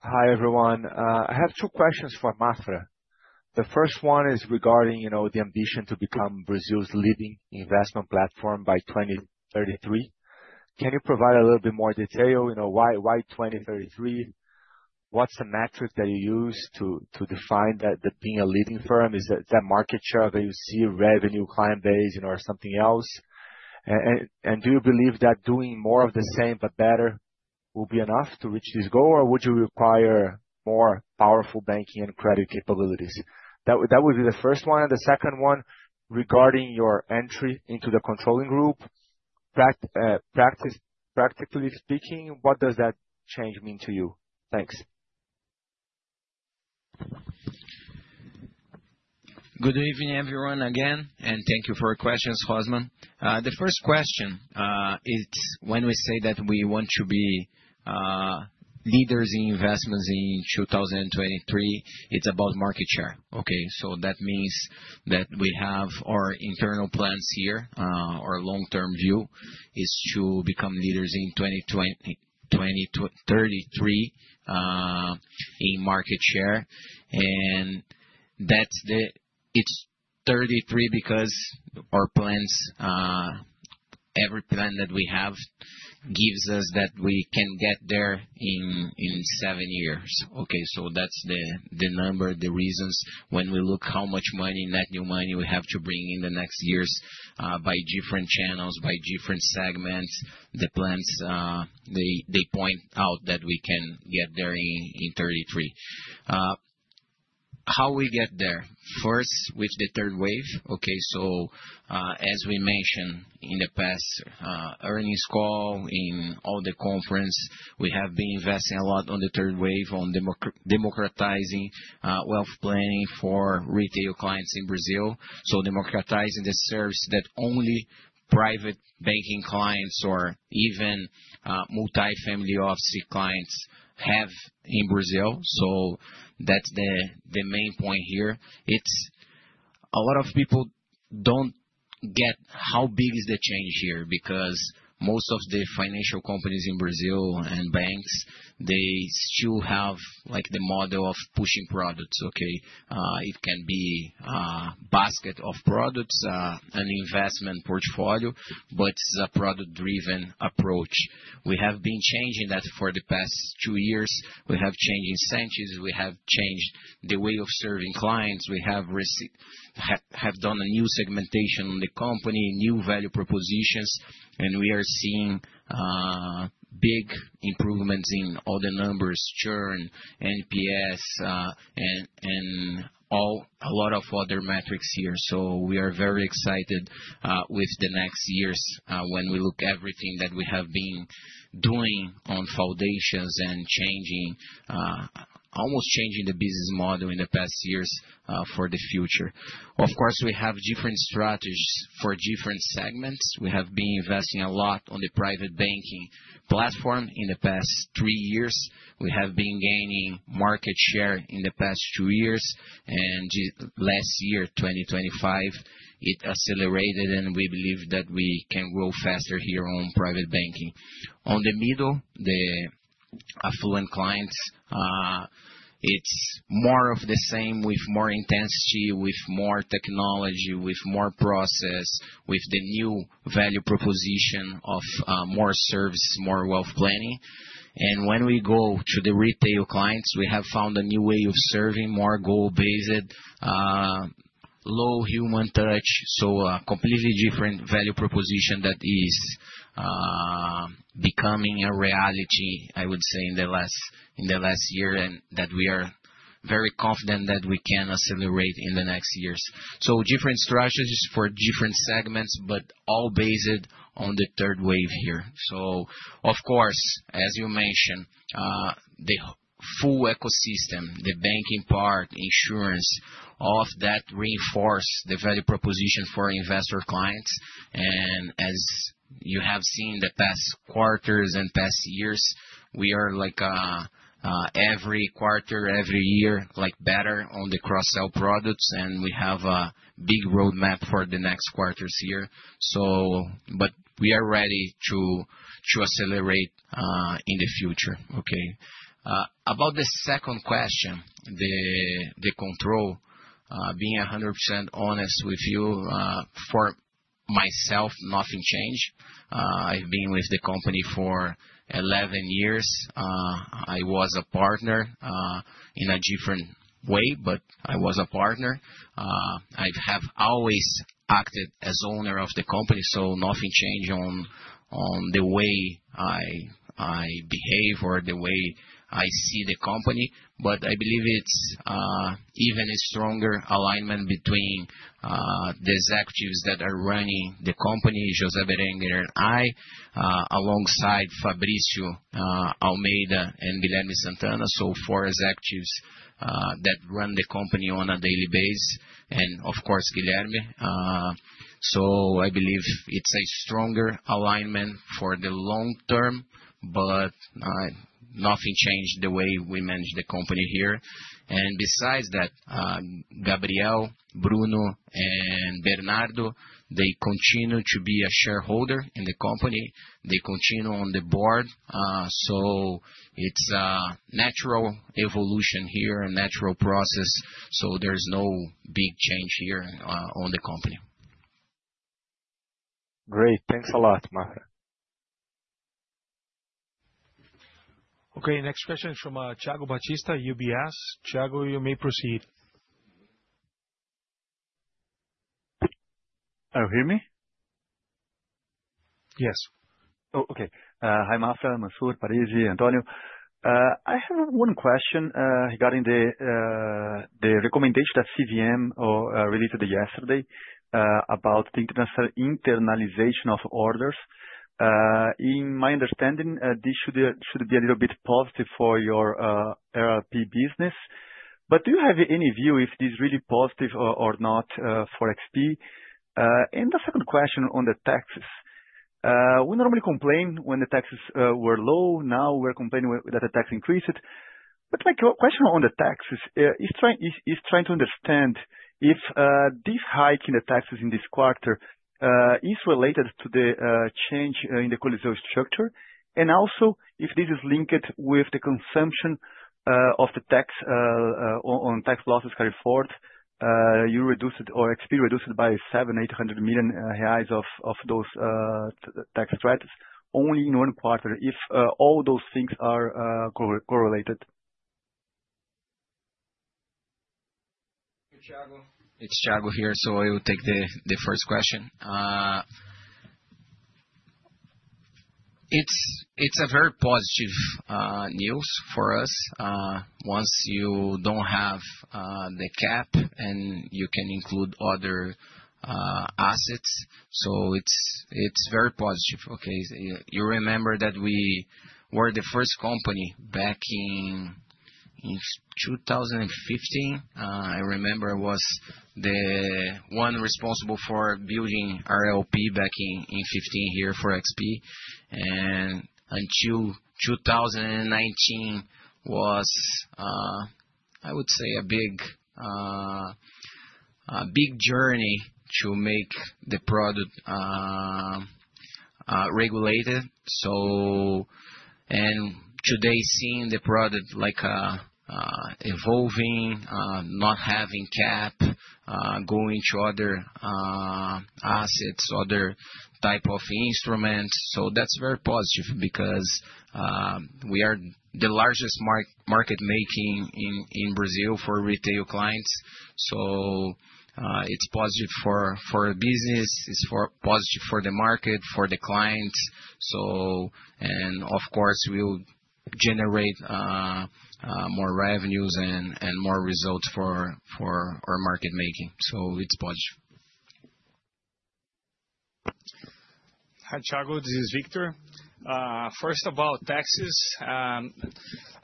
Hi, everyone. I have two questions for Maffra. The first one is regarding, you know, the ambition to become Brazil's leading investment platform by 2033. Can you provide a little bit more detail? You know, why, why 2033? What's the metrics that you use to, to define that, that being a leading firm? Is it that market share that you see, revenue, client base, you know, or something else? And, and, and do you believe that doing more of the same but better will be enough to reach this goal, or would you require more powerful banking and credit capabilities? That would, that would be the first one, and the second one, regarding your entry into the controlling group, practically speaking, what does that change mean to you? Thanks. Good evening, everyone, again, and thank you for your questions, Rosman. The first question, it's when we say that we want to be leaders in investments in 2023, it's about market share. Okay, so that means that we have our internal plans here, our long-term view is to become leaders in 2033, in market share, and that's the... It's 2033 because our plans, every plan that we have gives us that we can get there in seven years, okay? So that's the number, the reasons. When we look how much money, net new money, we have to bring in the next years, by different channels, by different segments, the plans, they point out that we can get there in 2033. How we get there? First, with the third wave, okay, so, as we mentioned in the past, earnings call, in all the conference, we have been investing a lot on the third wave, on democratizing, wealth planning for retail clients in Brazil. So democratizing the service that only private banking clients or even, multifamily offshore clients have in Brazil. So that's the, the main point here. It's-... A lot of people don't get how big is the change here, because most of the financial companies in Brazil and banks, they still have, like, the model of pushing products, okay? It can be basket of products, an investment portfolio, but it's a product-driven approach. We have been changing that for the past two years. We have changed incentives, we have changed the way of serving clients, we have done a new segmentation on the company, new value propositions, and we are seeing big improvements in all the numbers, churn, NPS, and a lot of other metrics here. So we are very excited with the next years, when we look everything that we have been doing on foundations and changing almost changing the business model in the past years for the future. Of course, we have different strategies for different segments. We have been investing a lot on the private banking platform in the past three years. We have been gaining market share in the past two years, and last year, 2025, it accelerated, and we believe that we can grow faster here on private banking. On the middle, the affluent clients, it's more of the same with more intensity, with more technology, with more process, with the new value proposition of more service, more wealth planning. And when we go to the retail clients, we have found a new way of serving, more goal-based, low human touch, so a completely different value proposition that is becoming a reality, I would say, in the last, in the last year, and that we are very confident that we can accelerate in the next years. So different strategies for different segments, but all based on the third wave here. So of course, as you mentioned, the full ecosystem, the banking part, insurance, all of that reinforce the value proposition for investor clients. And as you have seen in the past quarters and past years, we are like, every quarter, every year, like better on the cross-sell products, and we have a big roadmap for the next quarters here. So but we are ready to accelerate in the future, okay? About the second question, the control, being 100% honest with you, for myself, nothing changed. I've been with the company for 11 years. I was a partner, in a different way, but I was a partner. I have always acted as owner of the company, so nothing changed on, on the way I, I behave or the way I see the company. But I believe it's even a stronger alignment between the executives that are running the company, José Berenguer and I, alongside Fabrício Almeida and Guilherme Sant’Anna, so four executives that run the company on a daily basis, and of course, Guilherme. So I believe it's a stronger alignment for the long term, but nothing changed the way we manage the company here. And besides that, Gabriel, Bruno, and Bernardo, they continue to be a shareholder in the company. They continue on the board, so it's a natural evolution here, a natural process, so there's no big change here on the company. Great! Thanks a lot, Maffra. Okay, next question is from Thiago Batista, UBS. Thiago, you may proceed. Oh, you hear me? Yes. Oh, okay. Hi, Maffra, Mansur, Parize, Antonio. I have one question regarding the recommendation that CVM released yesterday about the international internalization of orders. In my understanding, this should be a little bit positive for your RLP business. But do you have any view if this is really positive or not for XP? And the second question on the taxes. We normally complain when the taxes were low, now we're complaining that the tax increased. But my question on the taxes is trying to understand if this hike in the taxes in this quarter is related to the change in the Coliseu structure, and also if this is linked with the consumption of the tax on tax losses going forward, you reduced it or XP reduced it by 700 million-800 million reais of those tax rates only in one quarter, if all those things are correlated?... It's Thiago here, so I will take the first question. It's a very positive news for us once you don't have the cap, and you can include other assets, so it's very positive, okay? You remember that we were the first company back in 2015. I remember was the one responsible for building RLP back in 2015 here for XP. And until 2019 was a big journey to make the product regulated, so and today, seeing the product like evolving, not having cap, going to other assets, other type of instruments, so that's very positive because we are the largest market making in Brazil for retail clients. So, it's positive for business, it's positive for the market, for the clients, so and of course, we will generate more revenues and more results for our market making. So it's positive. Hi, Thiago, this is Victor. First of all, taxes, I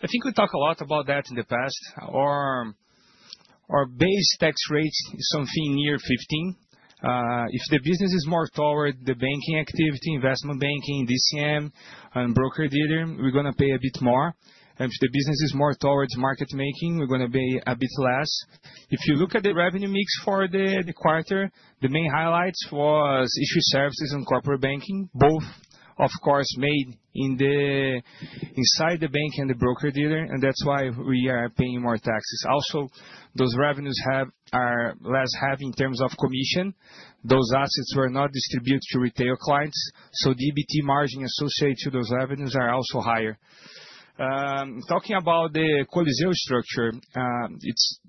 think we talked a lot about that in the past. Our base tax rate is something near 15%. If the business is more toward the banking activity, investment banking, DCM, and broker dealer, we're gonna pay a bit more, and if the business is more towards market making, we're gonna pay a bit less. If you look at the revenue mix for the quarter, the main highlights was issuer services and corporate banking, both, of course, made in the inside the bank and the broker dealer, and that's why we are paying more taxes. Also, those revenues are less heavy in terms of commission. Those assets were not distributed to retail clients, so EBT margin associated to those revenues are also higher. Talking about the Coliseu structure, it's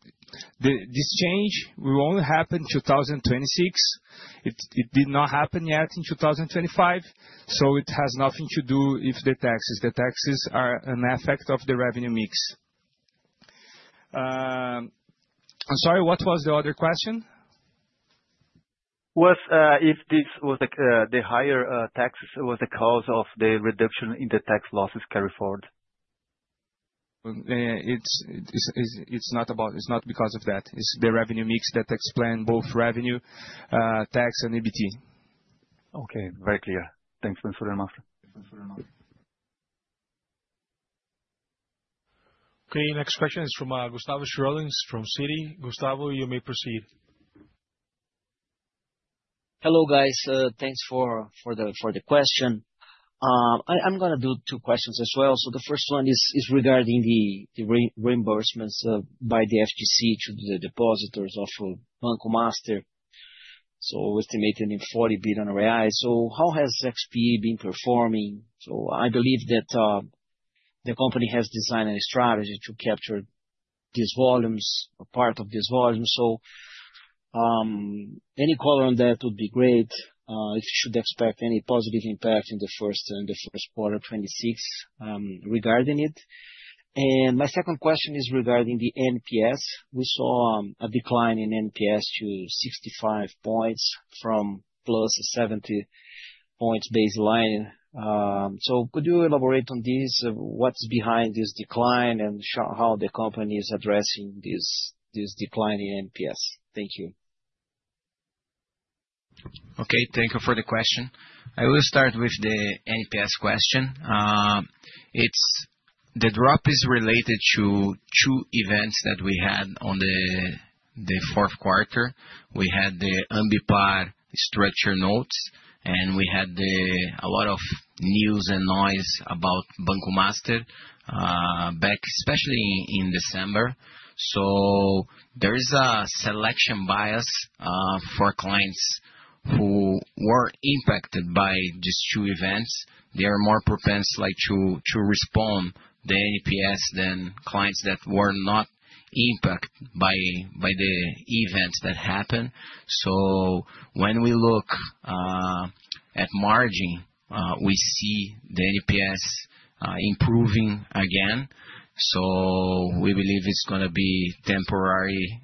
the... This change will only happen in 2026. It, it did not happen yet in 2025, so it has nothing to do with the taxes. The taxes are an effect of the revenue mix. I'm sorry, what was the other question? Was if this was the higher taxes was the cause of the reduction in the tax losses carry forward? It's not about... It's not because of that. It's the revenue mix that explain both revenue, tax and EBT. Okay. Very clear. Thanks so very much. Thanks very much. Okay, next question is from, Gustavo Schroden, from Citi. Gustavo, you may proceed. Hello, guys. Thanks for the question. I'm gonna do two questions as well. So the first one is regarding the reimbursements by the FGC to the depositors of Banco Master, so estimated in 40 billion. So how has XP been performing? So I believe that the company has designed a strategy to capture these volumes, a part of this volume. So any color on that would be great. Should we expect any positive impact in the first quarter of 2026 regarding it? And my second question is regarding the NPS. We saw a decline in NPS to 65 points from +70 points baseline. So could you elaborate on this? What's behind this decline, and how the company is addressing this decline in NPS? Thank you. Okay, thank you for the question. I will start with the NPS question. It's the drop is related to two events that we had on the fourth quarter. We had the Ambipar structured notes, and we had a lot of news and noise about Banco Master, back, especially in December. So there is a selection bias for clients who were impacted by these two events. They are more propensity like to respond the NPS than clients that were not impacted by the events that happened. So when we look at margin, we see the NPS improving again. So we believe it's gonna be temporary,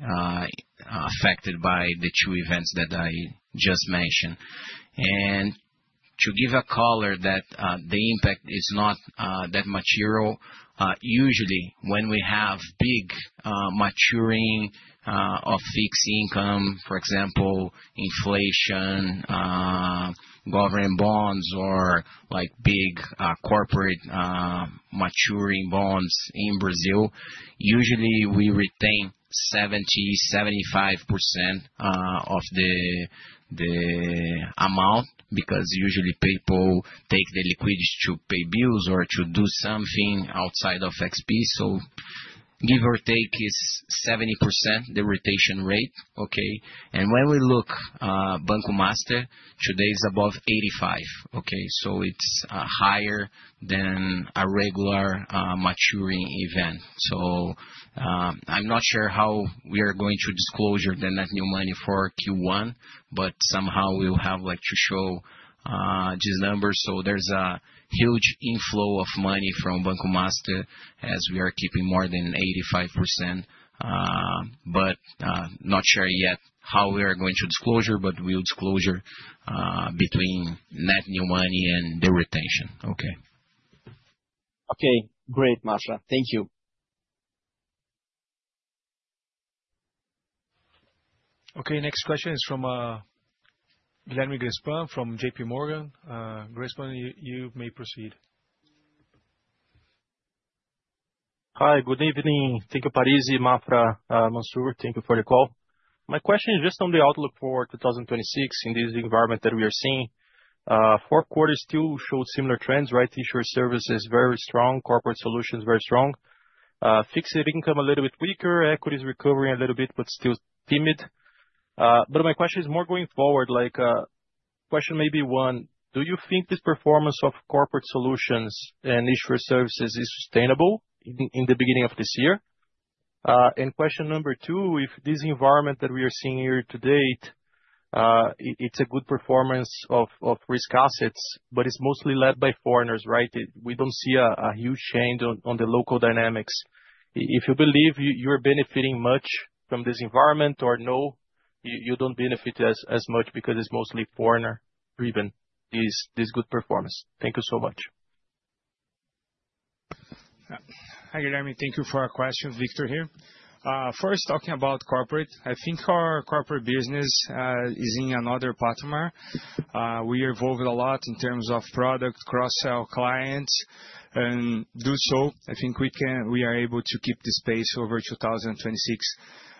affected by the two events that I just mentioned. To give a color that the impact is not that material. Usually when we have big maturing of fixed income, for example, inflation government bonds, or like big corporate maturing bonds in Brazil, usually we retain 70%-75% of the amount, because usually people take the liquidity to pay bills or to do something outside of XP. So give or take, is 70% the retention rate, okay? When we look, Banco Master, today is above 85%, okay? So it's higher than a regular maturing event. So I'm not sure how we are going to disclose the net new money for Q1, but somehow we will have like to show these numbers. So there's a huge inflow of money from Banco Master, as we are keeping more than 85%, but not sure yet how we are going to disclose, but we'll disclose between net new money and the retention. Okay? Okay, great, Maffra. Thank you. Okay, next question is from Guilherme Grespan, from J.P. Morgan. Grespan, you may proceed.... Hi, good evening. Thank you, Parize, Maffra, Mansur, thank you for the call. My question is just on the outlook for 2026 in this environment that we are seeing. Fourth quarter still showed similar trends, right? Insurance service is very strong, corporate solutions very strong. Fixed income a little bit weaker, equities recovering a little bit, but still timid. But my question is more going forward, like, question may be one, do you think this performance of corporate solutions and insurance services is sustainable in the beginning of this year? And question number two, if this environment that we are seeing here to date, it, it's a good performance of risk assets, but it's mostly led by foreigners, right? We don't see a huge change on the local dynamics. If you believe you're benefiting much from this environment or no, you don't benefit as much because it's mostly foreigner driven, this good performance. Thank you so much. Hi, Guilherme, thank you for our question, Victor here. First, talking about corporate, I think our corporate business is in another platform. We evolved a lot in terms of product, cross-sell clients, and do so, I think we are able to keep the space over 2026.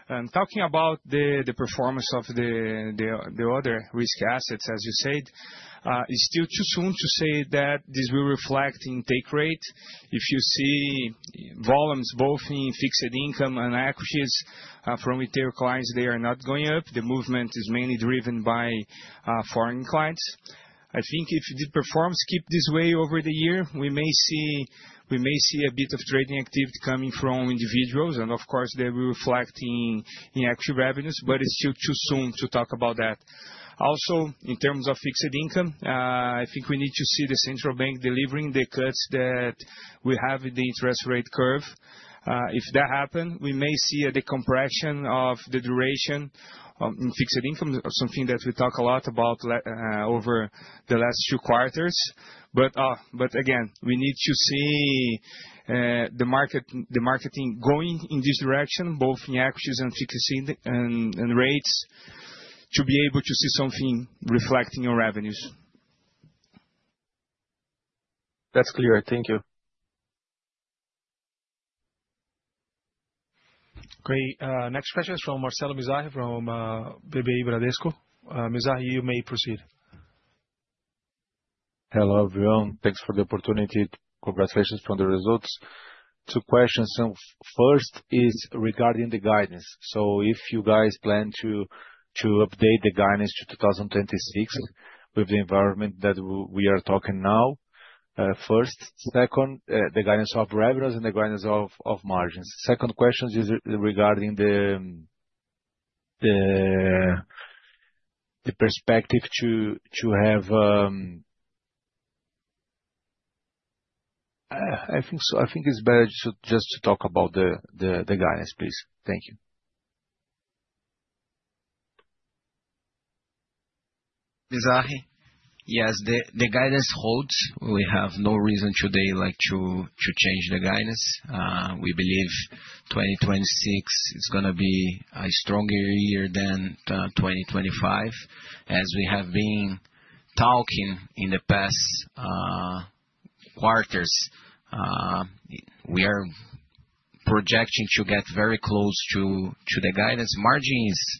Talking about the performance of the other risk assets, as you said, it's still too soon to say that this will reflect in take rate. If you see volumes both in fixed income and equities from retail clients, they are not going up. The movement is mainly driven by foreign clients. I think if the performance keep this way over the year, we may see, we may see a bit of trading activity coming from individuals, and of course, they will reflect in actual revenues, but it's still too soon to talk about that. Also, in terms of fixed income, I think we need to see the central bank delivering the cuts that we have in the interest rate curve. If that happen, we may see a decompression of the duration in fixed income, something that we talk a lot about over the last two quarters. But, but again, we need to see the market, the marketing going in this direction, both in equities and fixed income and rates, to be able to see something reflecting our revenues. That's clear. Thank you. Great, next question is from Marcelo Mizrahi, from Bradesco BBI. Mizrahi, you may proceed. Hello, everyone. Thanks for the opportunity. Congratulations on the results. Two questions. So first is regarding the guidance. So if you guys plan to update the guidance to 2026 with the environment that we are talking now, first. Second, the guidance of revenues and the guidance of margins. Second question is regarding the perspective to have... I think it's better to just talk about the guidance, please. Thank you. Mizrahi, yes, the guidance holds. We have no reason today like to change the guidance. We believe 2026 is gonna be a stronger year than 2025. As we have been talking in the past quarters, we are projecting to get very close to the guidance. Margin is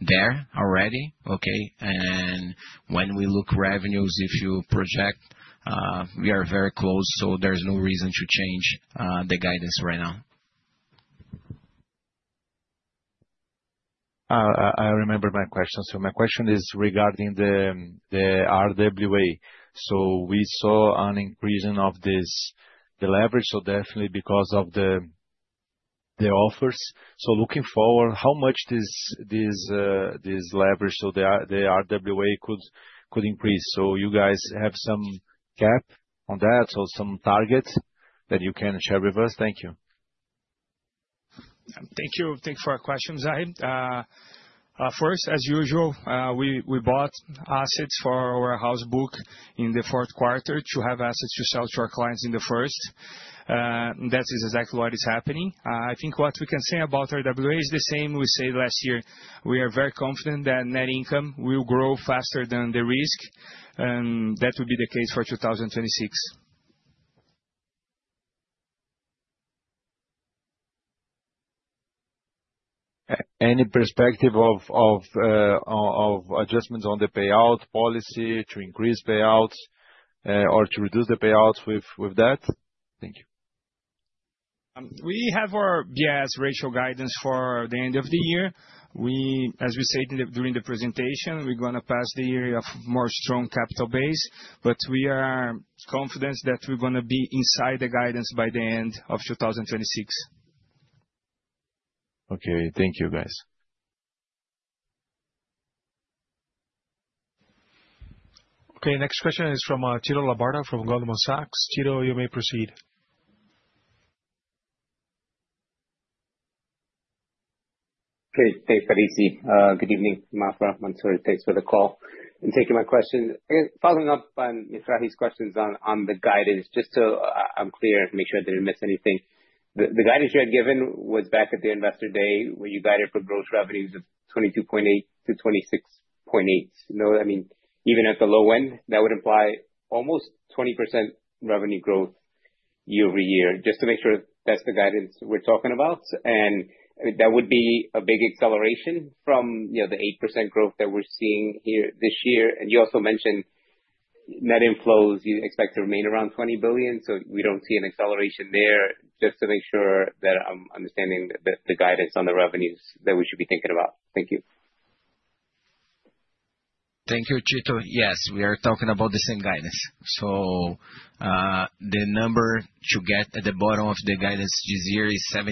there already, okay? And when we look revenues, if you project, we are very close, so there's no reason to change the guidance right now. I remember my question. So my question is regarding the RWA. So we saw an increase of this, the leverage, so definitely because of the offers. So looking forward, how much this, this, uh, this leverage, so the RWA could, could increase? So you guys have some cap on that or some targets that you can share with us? Thank you. Thank you. Thank you for our question, Zahi. First, as usual, we bought assets for our house book in the fourth quarter to have assets to sell to our clients in the first. That is exactly what is happening. I think what we can say about RWA is the same we said last year. We are very confident that net income will grow faster than the risk, and that will be the case for 2026. Any perspective of adjustments on the payout policy to increase payouts or to reduce the payouts with that? Thank you. We have our BIS ratio guidance for the end of the year. As we said during the presentation, we're gonna pass the year of more strong capital base, but we are confident that we're gonna be inside the guidance by the end of 2026. Okay. Thank you, guys. Okay, next question is from Tito Labarta from Goldman Sachs. Tito, you may proceed. Great. Thanks, Parize. Good evening, Maffra, Mansur, thanks for the call, and thank you for my question. Following up on Mizrahi's questions on the guidance, just so I'm clear and make sure I didn't miss anything. The guidance you had given was back at the investor day, where you guided for gross revenues of 22.8-26.8. You know, I mean, even at the low end, that would imply almost 20% revenue growth year-over-year, just to make sure that's the guidance we're talking about. And that would be a big acceleration from, you know, the 8% growth that we're seeing here this year. And you also mentioned net inflows, you expect to remain around 20 billion, so we don't see an acceleration there. Just to make sure that I'm understanding the guidance on the revenues that we should be thinking about. Thank you. Thank you, Tito. Yes, we are talking about the same guidance. So, the number to get at the bottom of the guidance this year is 17%,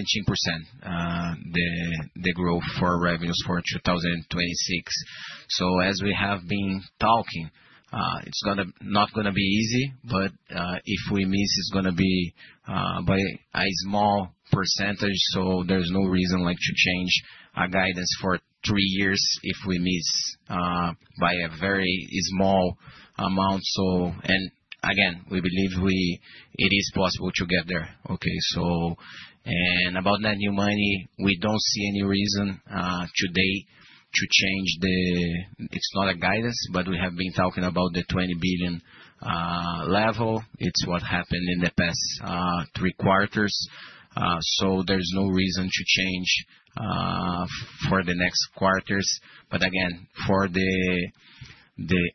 the growth for revenues for 2026. So as we have been talking, it's not gonna be easy, but, if we miss, it's gonna be by a small percentage, so there's no reason like to change our guidance for three years if we miss by a very small amount. So and again, we believe it is possible to get there. Okay, so... And about that new money, we don't see any reason today to change the... It's not a guidance, but we have been talking about the 20 billion level. It's what happened in the past three quarters. So there's no reason to change for the next quarters. But again, for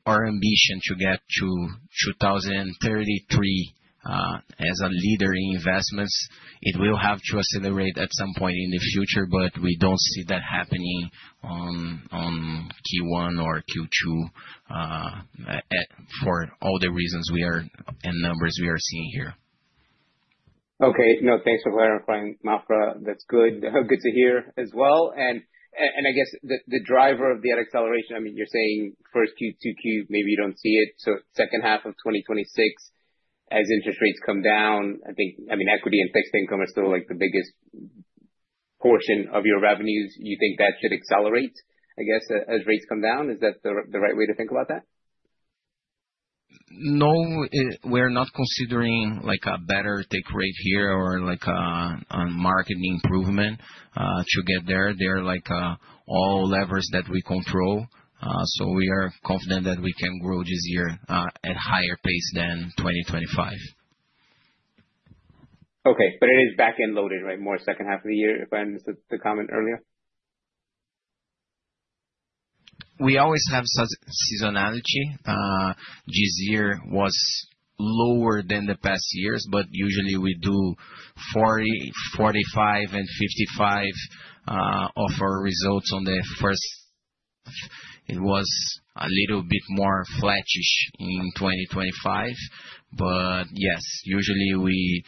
our ambition to get to 2033, as a leader in investments, it will have to accelerate at some point in the future, but we don't see that happening on Q1 or Q2, for all the reasons we are, and numbers we are seeing here. Okay. No, thanks for clarifying, Maffra. That's good. Good to hear as well. And I guess the driver of the acceleration, I mean, you're saying first Q2, Q, maybe you don't see it, so second half of 2026, as interest rates come down, I think, I mean, equity and fixed income are still, like, the biggest portion of your revenues. You think that should accelerate, I guess, as rates come down? Is that the right way to think about that? No, we're not considering, like, a better take rate here or, like, a market improvement, to get there. They're, like, all levers that we control, so we are confident that we can grow this year, at higher pace than 2025. Okay, but it is back-end loaded, right? More second half of the year, if I missed the comment earlier. We always have seasonality. This year was lower than the past years, but usually we do 40, 45, and 55 of our results on the first... It was a little bit more flattish in 2025, but yes, usually we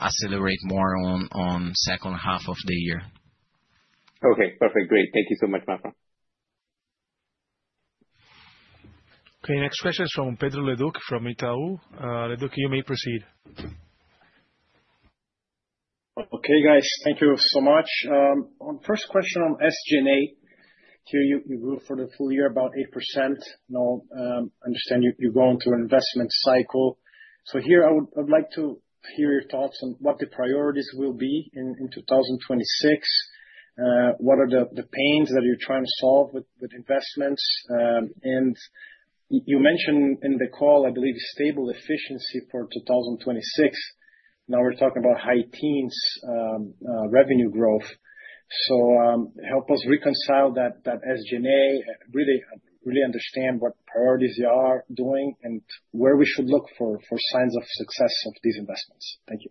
accelerate more on second half of the year. Okay, perfect. Great. Thank you so much, Maffra. Okay, next question is from Pedro Leduc from Itaú. Leduc, you may proceed. Okay, guys. Thank you so much. On first question on SG&A, so you grew for the full year about 8%. Now, I understand you're going through an investment cycle. So here, I'd like to hear your thoughts on what the priorities will be in 2026. What are the pains that you're trying to solve with investments? And you mentioned in the call, I believe, stable efficiency for 2026. Now we're talking about high teens revenue growth. So, help us reconcile that SG&A, really understand what priorities you are doing and where we should look for signs of success of these investments. Thank you.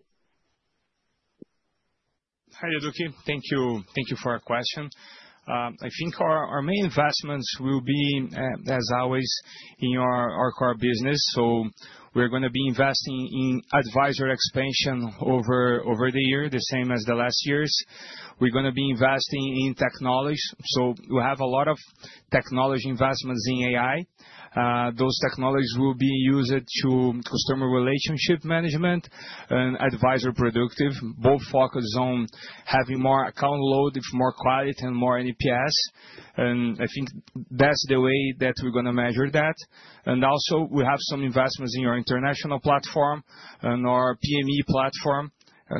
Hi, Leduc. Thank you. Thank you for our question. I think our, our main investments will be, as always, in our, our core business. So we're gonna be investing in advisory expansion over, over the year, the same as the last years. We're gonna be investing in technology. So we have a lot of technology investments in AI. Those technologies will be used to customer relationship management and advisory productive, both focused on having more account load, more client, and more NPS. And I think that's the way that we're gonna measure that. And also, we have some investments in our international platform and our PME platform,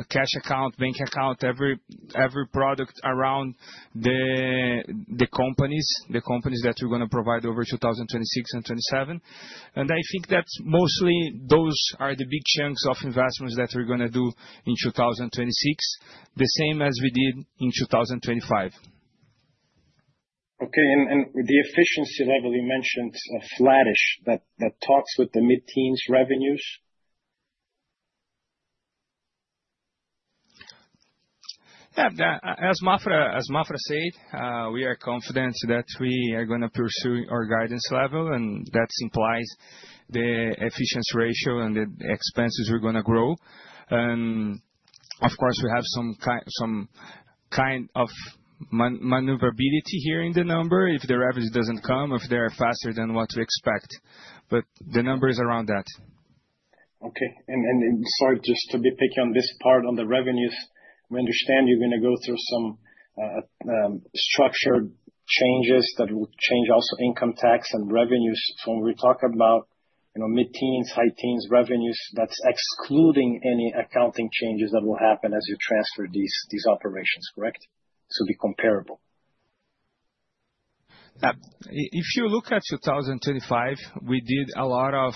cash account, bank account, every, every product around the, the companies, the companies that we're gonna provide over 2026 and 2027. I think that's mostly, those are the big chunks of investments that we're gonna do in 2026, the same as we did in 2025. Okay, and the efficiency level you mentioned are flattish, that talks with the mid-teens revenues? Yeah, the, as Maffra said, we are confident that we are gonna pursue our guidance level, and that implies the efficiency ratio and the expenses are gonna grow. And of course, we have some kind of maneuverability here in the number, if the revenue doesn't come, if they are faster than what we expect, but the number is around that. Okay. Sorry, just to be picky on this part, on the revenues, we understand you're gonna go through some structured changes that will change also income tax and revenues. So when we talk about, you know, mid-teens, high teens revenues, that's excluding any accounting changes that will happen as you transfer these operations, correct? So be comparable.... If you look at 2025, we did a lot of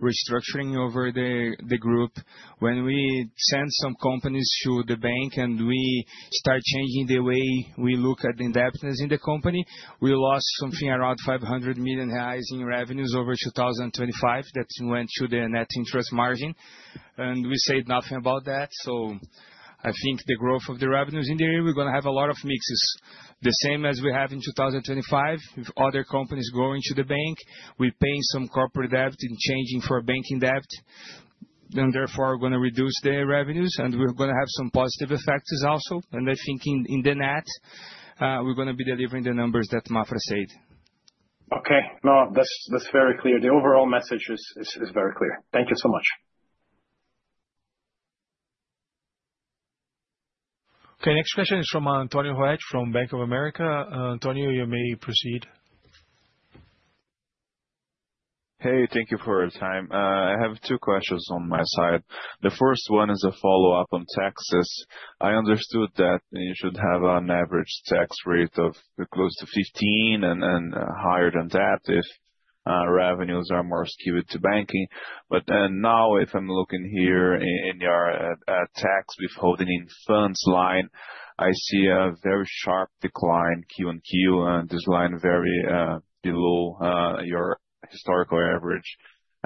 restructuring over the group. When we sent some companies to the bank and we start changing the way we look at the indebtedness in the company, we lost something around 500 million reais in revenues over 2025. That went to the net interest margin, and we said nothing about that. So I think the growth of the revenues in the area, we're gonna have a lot of mixes. The same as we have in 2025, with other companies going to the bank, we're paying some corporate debt and changing for banking debt, and therefore, are gonna reduce their revenues, and we're gonna have some positive effects also. And I think in the net, we're gonna be delivering the numbers that Maffra said. Okay. No, that's very clear. The overall message is very clear. Thank you so much. Okay, next question is from Antonio Reale from Bank of America. Antonio, you may proceed. Hey, thank you for your time. I have two questions on my side. The first one is a follow-up on taxes. I understood that you should have an average tax rate of close to 15 and higher than that, if revenues are more skewed to banking. But now, if I'm looking here in your tax withholding in funds line, I see a very sharp decline QoQ, and this line very below your historical average.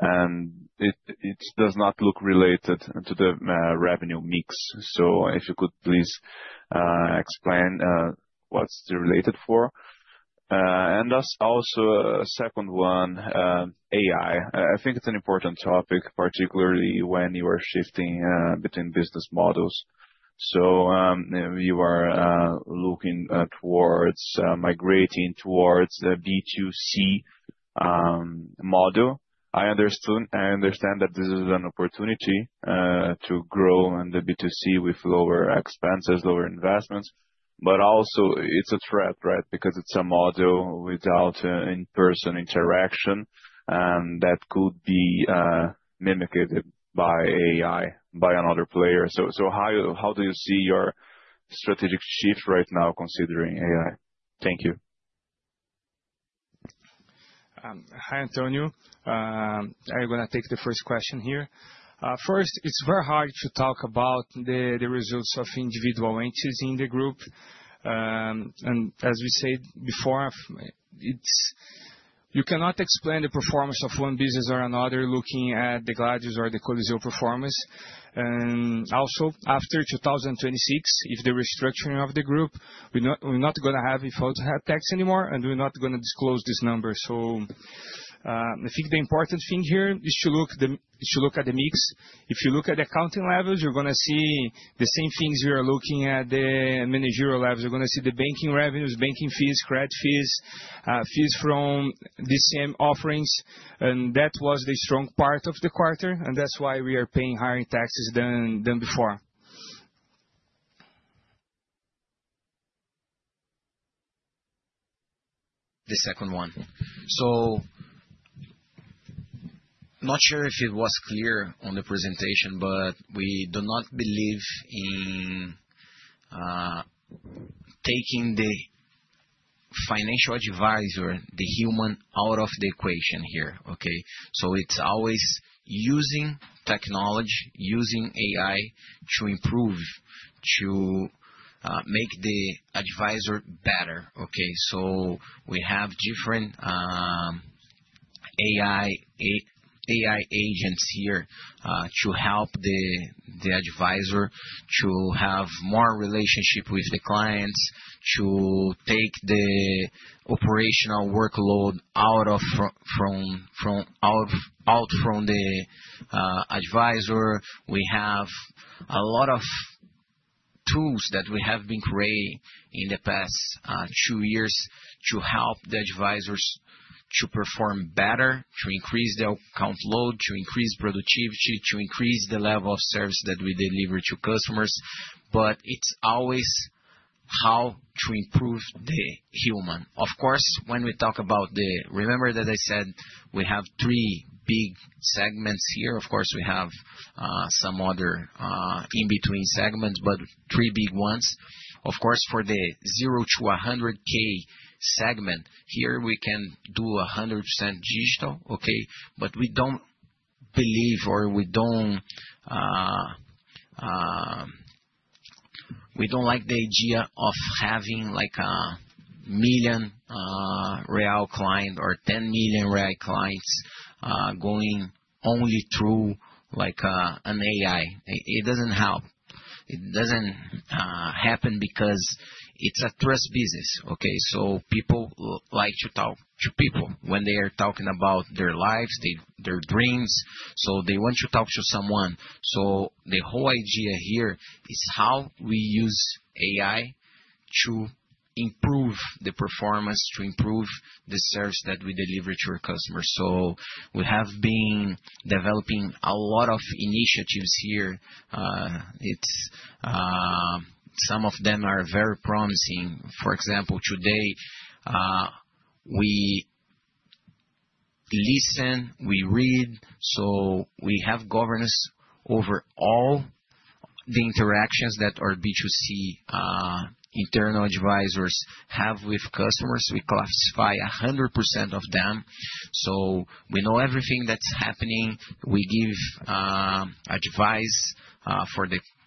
And it does not look related to the revenue mix. So if you could please explain what's it related for? And also a second one, AI. I think it's an important topic, particularly when you are shifting between business models. So you are looking towards migrating towards a B2C model. I understand that this is an opportunity to grow in the B2C with lower expenses, lower investments, but also it's a trap, right? Because it's a model without in-person interaction, and that could be mimicked by AI, by another player. So how do you see your strategic shift right now considering AI? Thank you. Hi, Antonio. I'm gonna take the first question here. First, it's very hard to talk about the results of individual entities in the group. And as we said before, it's. You cannot explain the performance of one business or another, looking at the Gladius or the Coliseu performance. And also, after 2026, if the restructuring of the group, we're not gonna have to have tax anymore, and we're not gonna disclose this number. So, I think the important thing here is to look at the mix. If you look at the accounting levels, you're gonna see the same things we are looking at the managerial levels. You're gonna see the banking revenues, banking fees, credit fees, fees from the same offerings, and that was the strong part of the quarter, and that's why we are paying higher taxes than before. The second one. So not sure if it was clear on the presentation, but we do not believe in taking the financial advisor, the human, out of the equation here, okay? So it's always using technology, using AI to improve, to make the advisor better, okay? So we have different AI agents here to help the advisor to have more relationship with the clients, to take the operational workload out from the advisor. We have a lot of tools that we have been creating in the past two years to help the advisors to perform better, to increase their account load, to increase productivity, to increase the level of service that we deliver to customers, but it's always how to improve the human. Of course, when we talk about the... Remember that I said we have three big segments here? Of course, we have some other in-between segments, but three big ones. Of course, for the zero to 100K segment, here, we can do 100% digital, okay? But we don't believe or we don't like the idea of having, like, a million-BRL client or 10 million-BRL clients going only through, like, an AI. It doesn't help. It doesn't happen because it's a trust business, okay? So people like to talk to people when they are talking about their lives, their dreams, so they want to talk to someone. So the whole idea here is how we use AI to improve the performance, to improve the service that we deliver to our customers. So we have been developing a lot of initiatives here. It's some of them are very promising. For example, today, we listen, we read, so we have governance over all the interactions that our B2C internal advisors have with customers. We classify 100% of them, so we know everything that's happening. We give advice for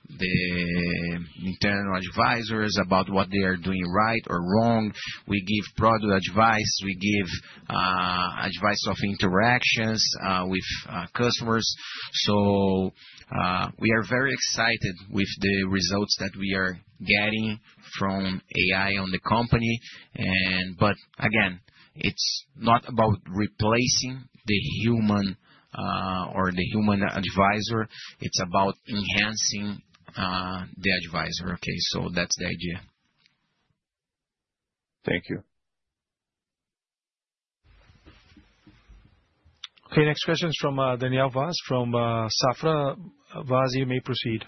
the internal advisors about what they are doing right or wrong. We give product advice, we give advice of interactions with customers. So we are very excited with the results that we are getting from AI on the company and, but again, it's not about replacing the human or the human advisor, it's about enhancing the advisor, okay? So that's the idea. Thank you. Okay, next question is from Daniel Vaz from Safra. Vaz, you may proceed.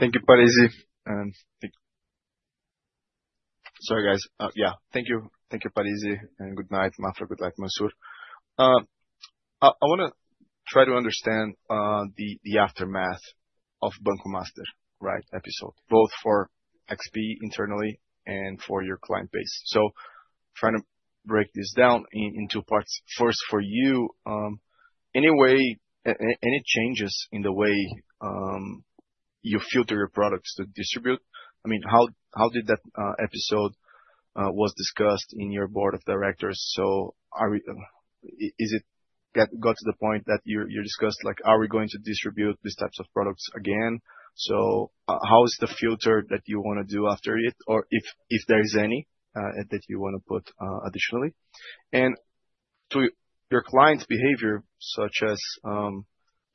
Thank you, Parize, and thank... Sorry, guys. Yeah, thank you. Thank you, Parize, and good night, Maffra, good night, Mansur. I wanna try to understand the aftermath of Banco Master, right, episode, both for XP internally and for your client base. So trying to break this down in two parts. First, for you, any way, any changes in the way you filter your products to distribute? I mean, how did that episode was discussed in your board of directors? So is it got to the point that you discussed, like, are we going to distribute these types of products again? So how is the filter that you wanna do after it, or if there is any that you wanna put additionally? To your clients' behavior, such as,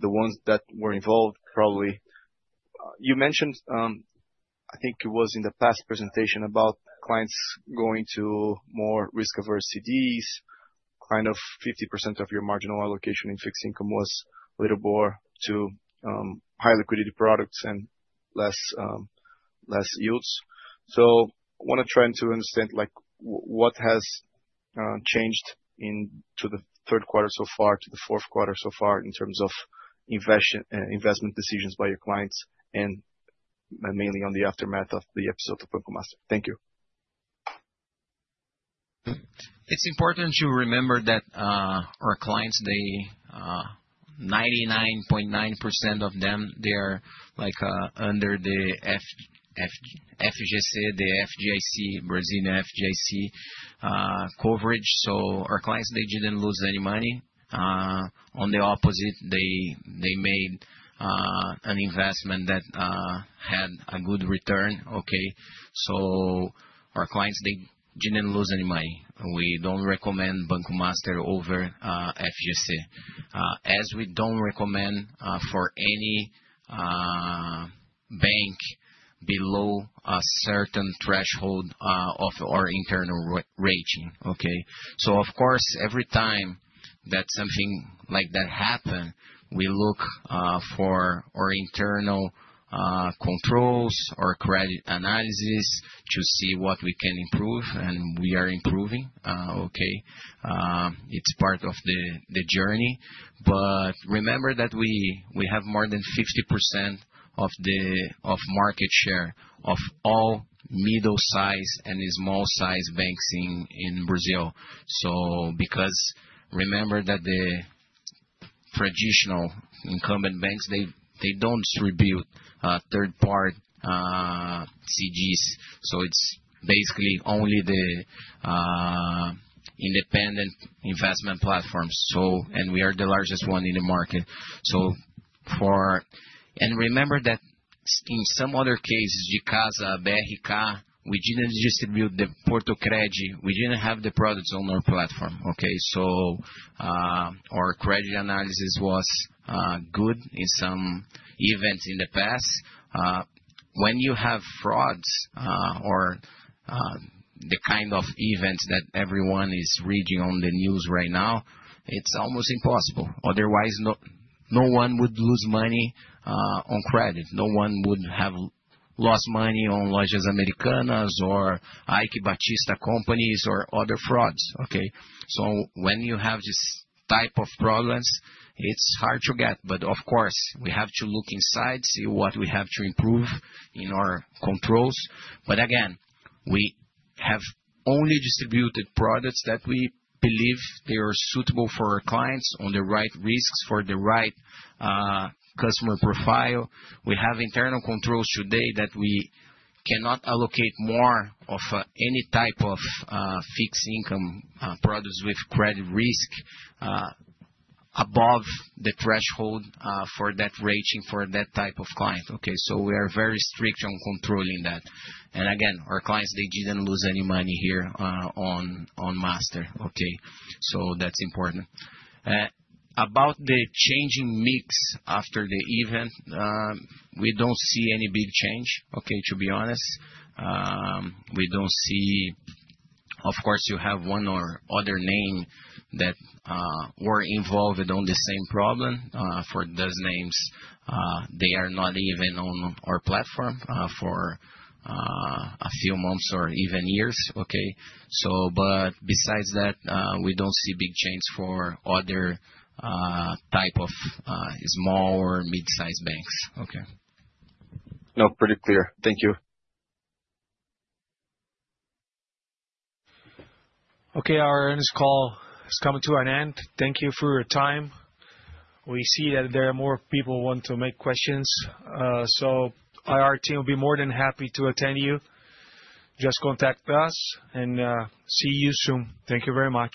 the ones that were involved, probably, you mentioned, I think it was in the past presentation about clients going to more risk-averse CDs, kind of 50% of your marginal allocation in fixed income was a little more to, high liquidity products and less yields. So wanna try to understand, like, what has changed in the third quarter so far to the fourth quarter so far, in terms of investment decisions by your clients, and mainly on the aftermath of the episode of Banco Master. Thank you. It's important to remember that, our clients, they, 99.9% of them, they are like, under the FGC, the FGC, Brazil FGC, coverage, so our clients, they didn't lose any money. On the opposite, they, they made, an investment that, had a good return, okay? So our clients, they didn't lose any money. We don't recommend Banco Master over FGC, as we don't recommend, for any, bank below a certain threshold, of our internal rating, okay? So of course, every time that something like that happen, we look, for our internal, controls, our credit analysis, to see what we can improve, and we are improving, okay. It's part of the journey. But remember that we have more than 50% of the market share of all middle-sized and small-sized banks in Brazil. So because remember that the traditional incumbent banks, they don't distribute third-party CDs, so it's basically only the independent investment platforms, so. And we are the largest one in the market. So. And remember that in some other cases, Dicasa, BRK, we didn't distribute the Portocredi. We didn't have the products on our platform, okay? So, our credit analysis was good in some events in the past. When you have frauds or the kind of events that everyone is reading on the news right now, it's almost impossible. Otherwise, no one would lose money on credit. No one would have lost money on Lojas Americanas or Eike Batista companies or other frauds, okay? So when you have this type of problems, it's hard to get, but of course, we have to look inside, see what we have to improve in our controls. But again, we have only distributed products that we believe they are suitable for our clients on the right risks for the right, customer profile. We have internal controls today that we cannot allocate more of, any type of, fixed income, products with credit risk, above the threshold, for that rating, for that type of client, okay? So we are very strict on controlling that. And again, our clients, they didn't lose any money here, on, on Master, okay? So that's important. About the changing mix after the event, we don't see any big change, okay, to be honest. We don't see. Of course, you have one or other name that were involved on the same problem. For those names, they are not even on our platform for a few months or even years, okay? But besides that, we don't see big changes for other type of small or mid-sized banks, okay. No, pretty clear. Thank you. Okay, our earnings call is coming to an end. Thank you for your time. We see that there are more people who want to make questions, so our team will be more than happy to attend you. Just contact us and, see you soon. Thank you very much.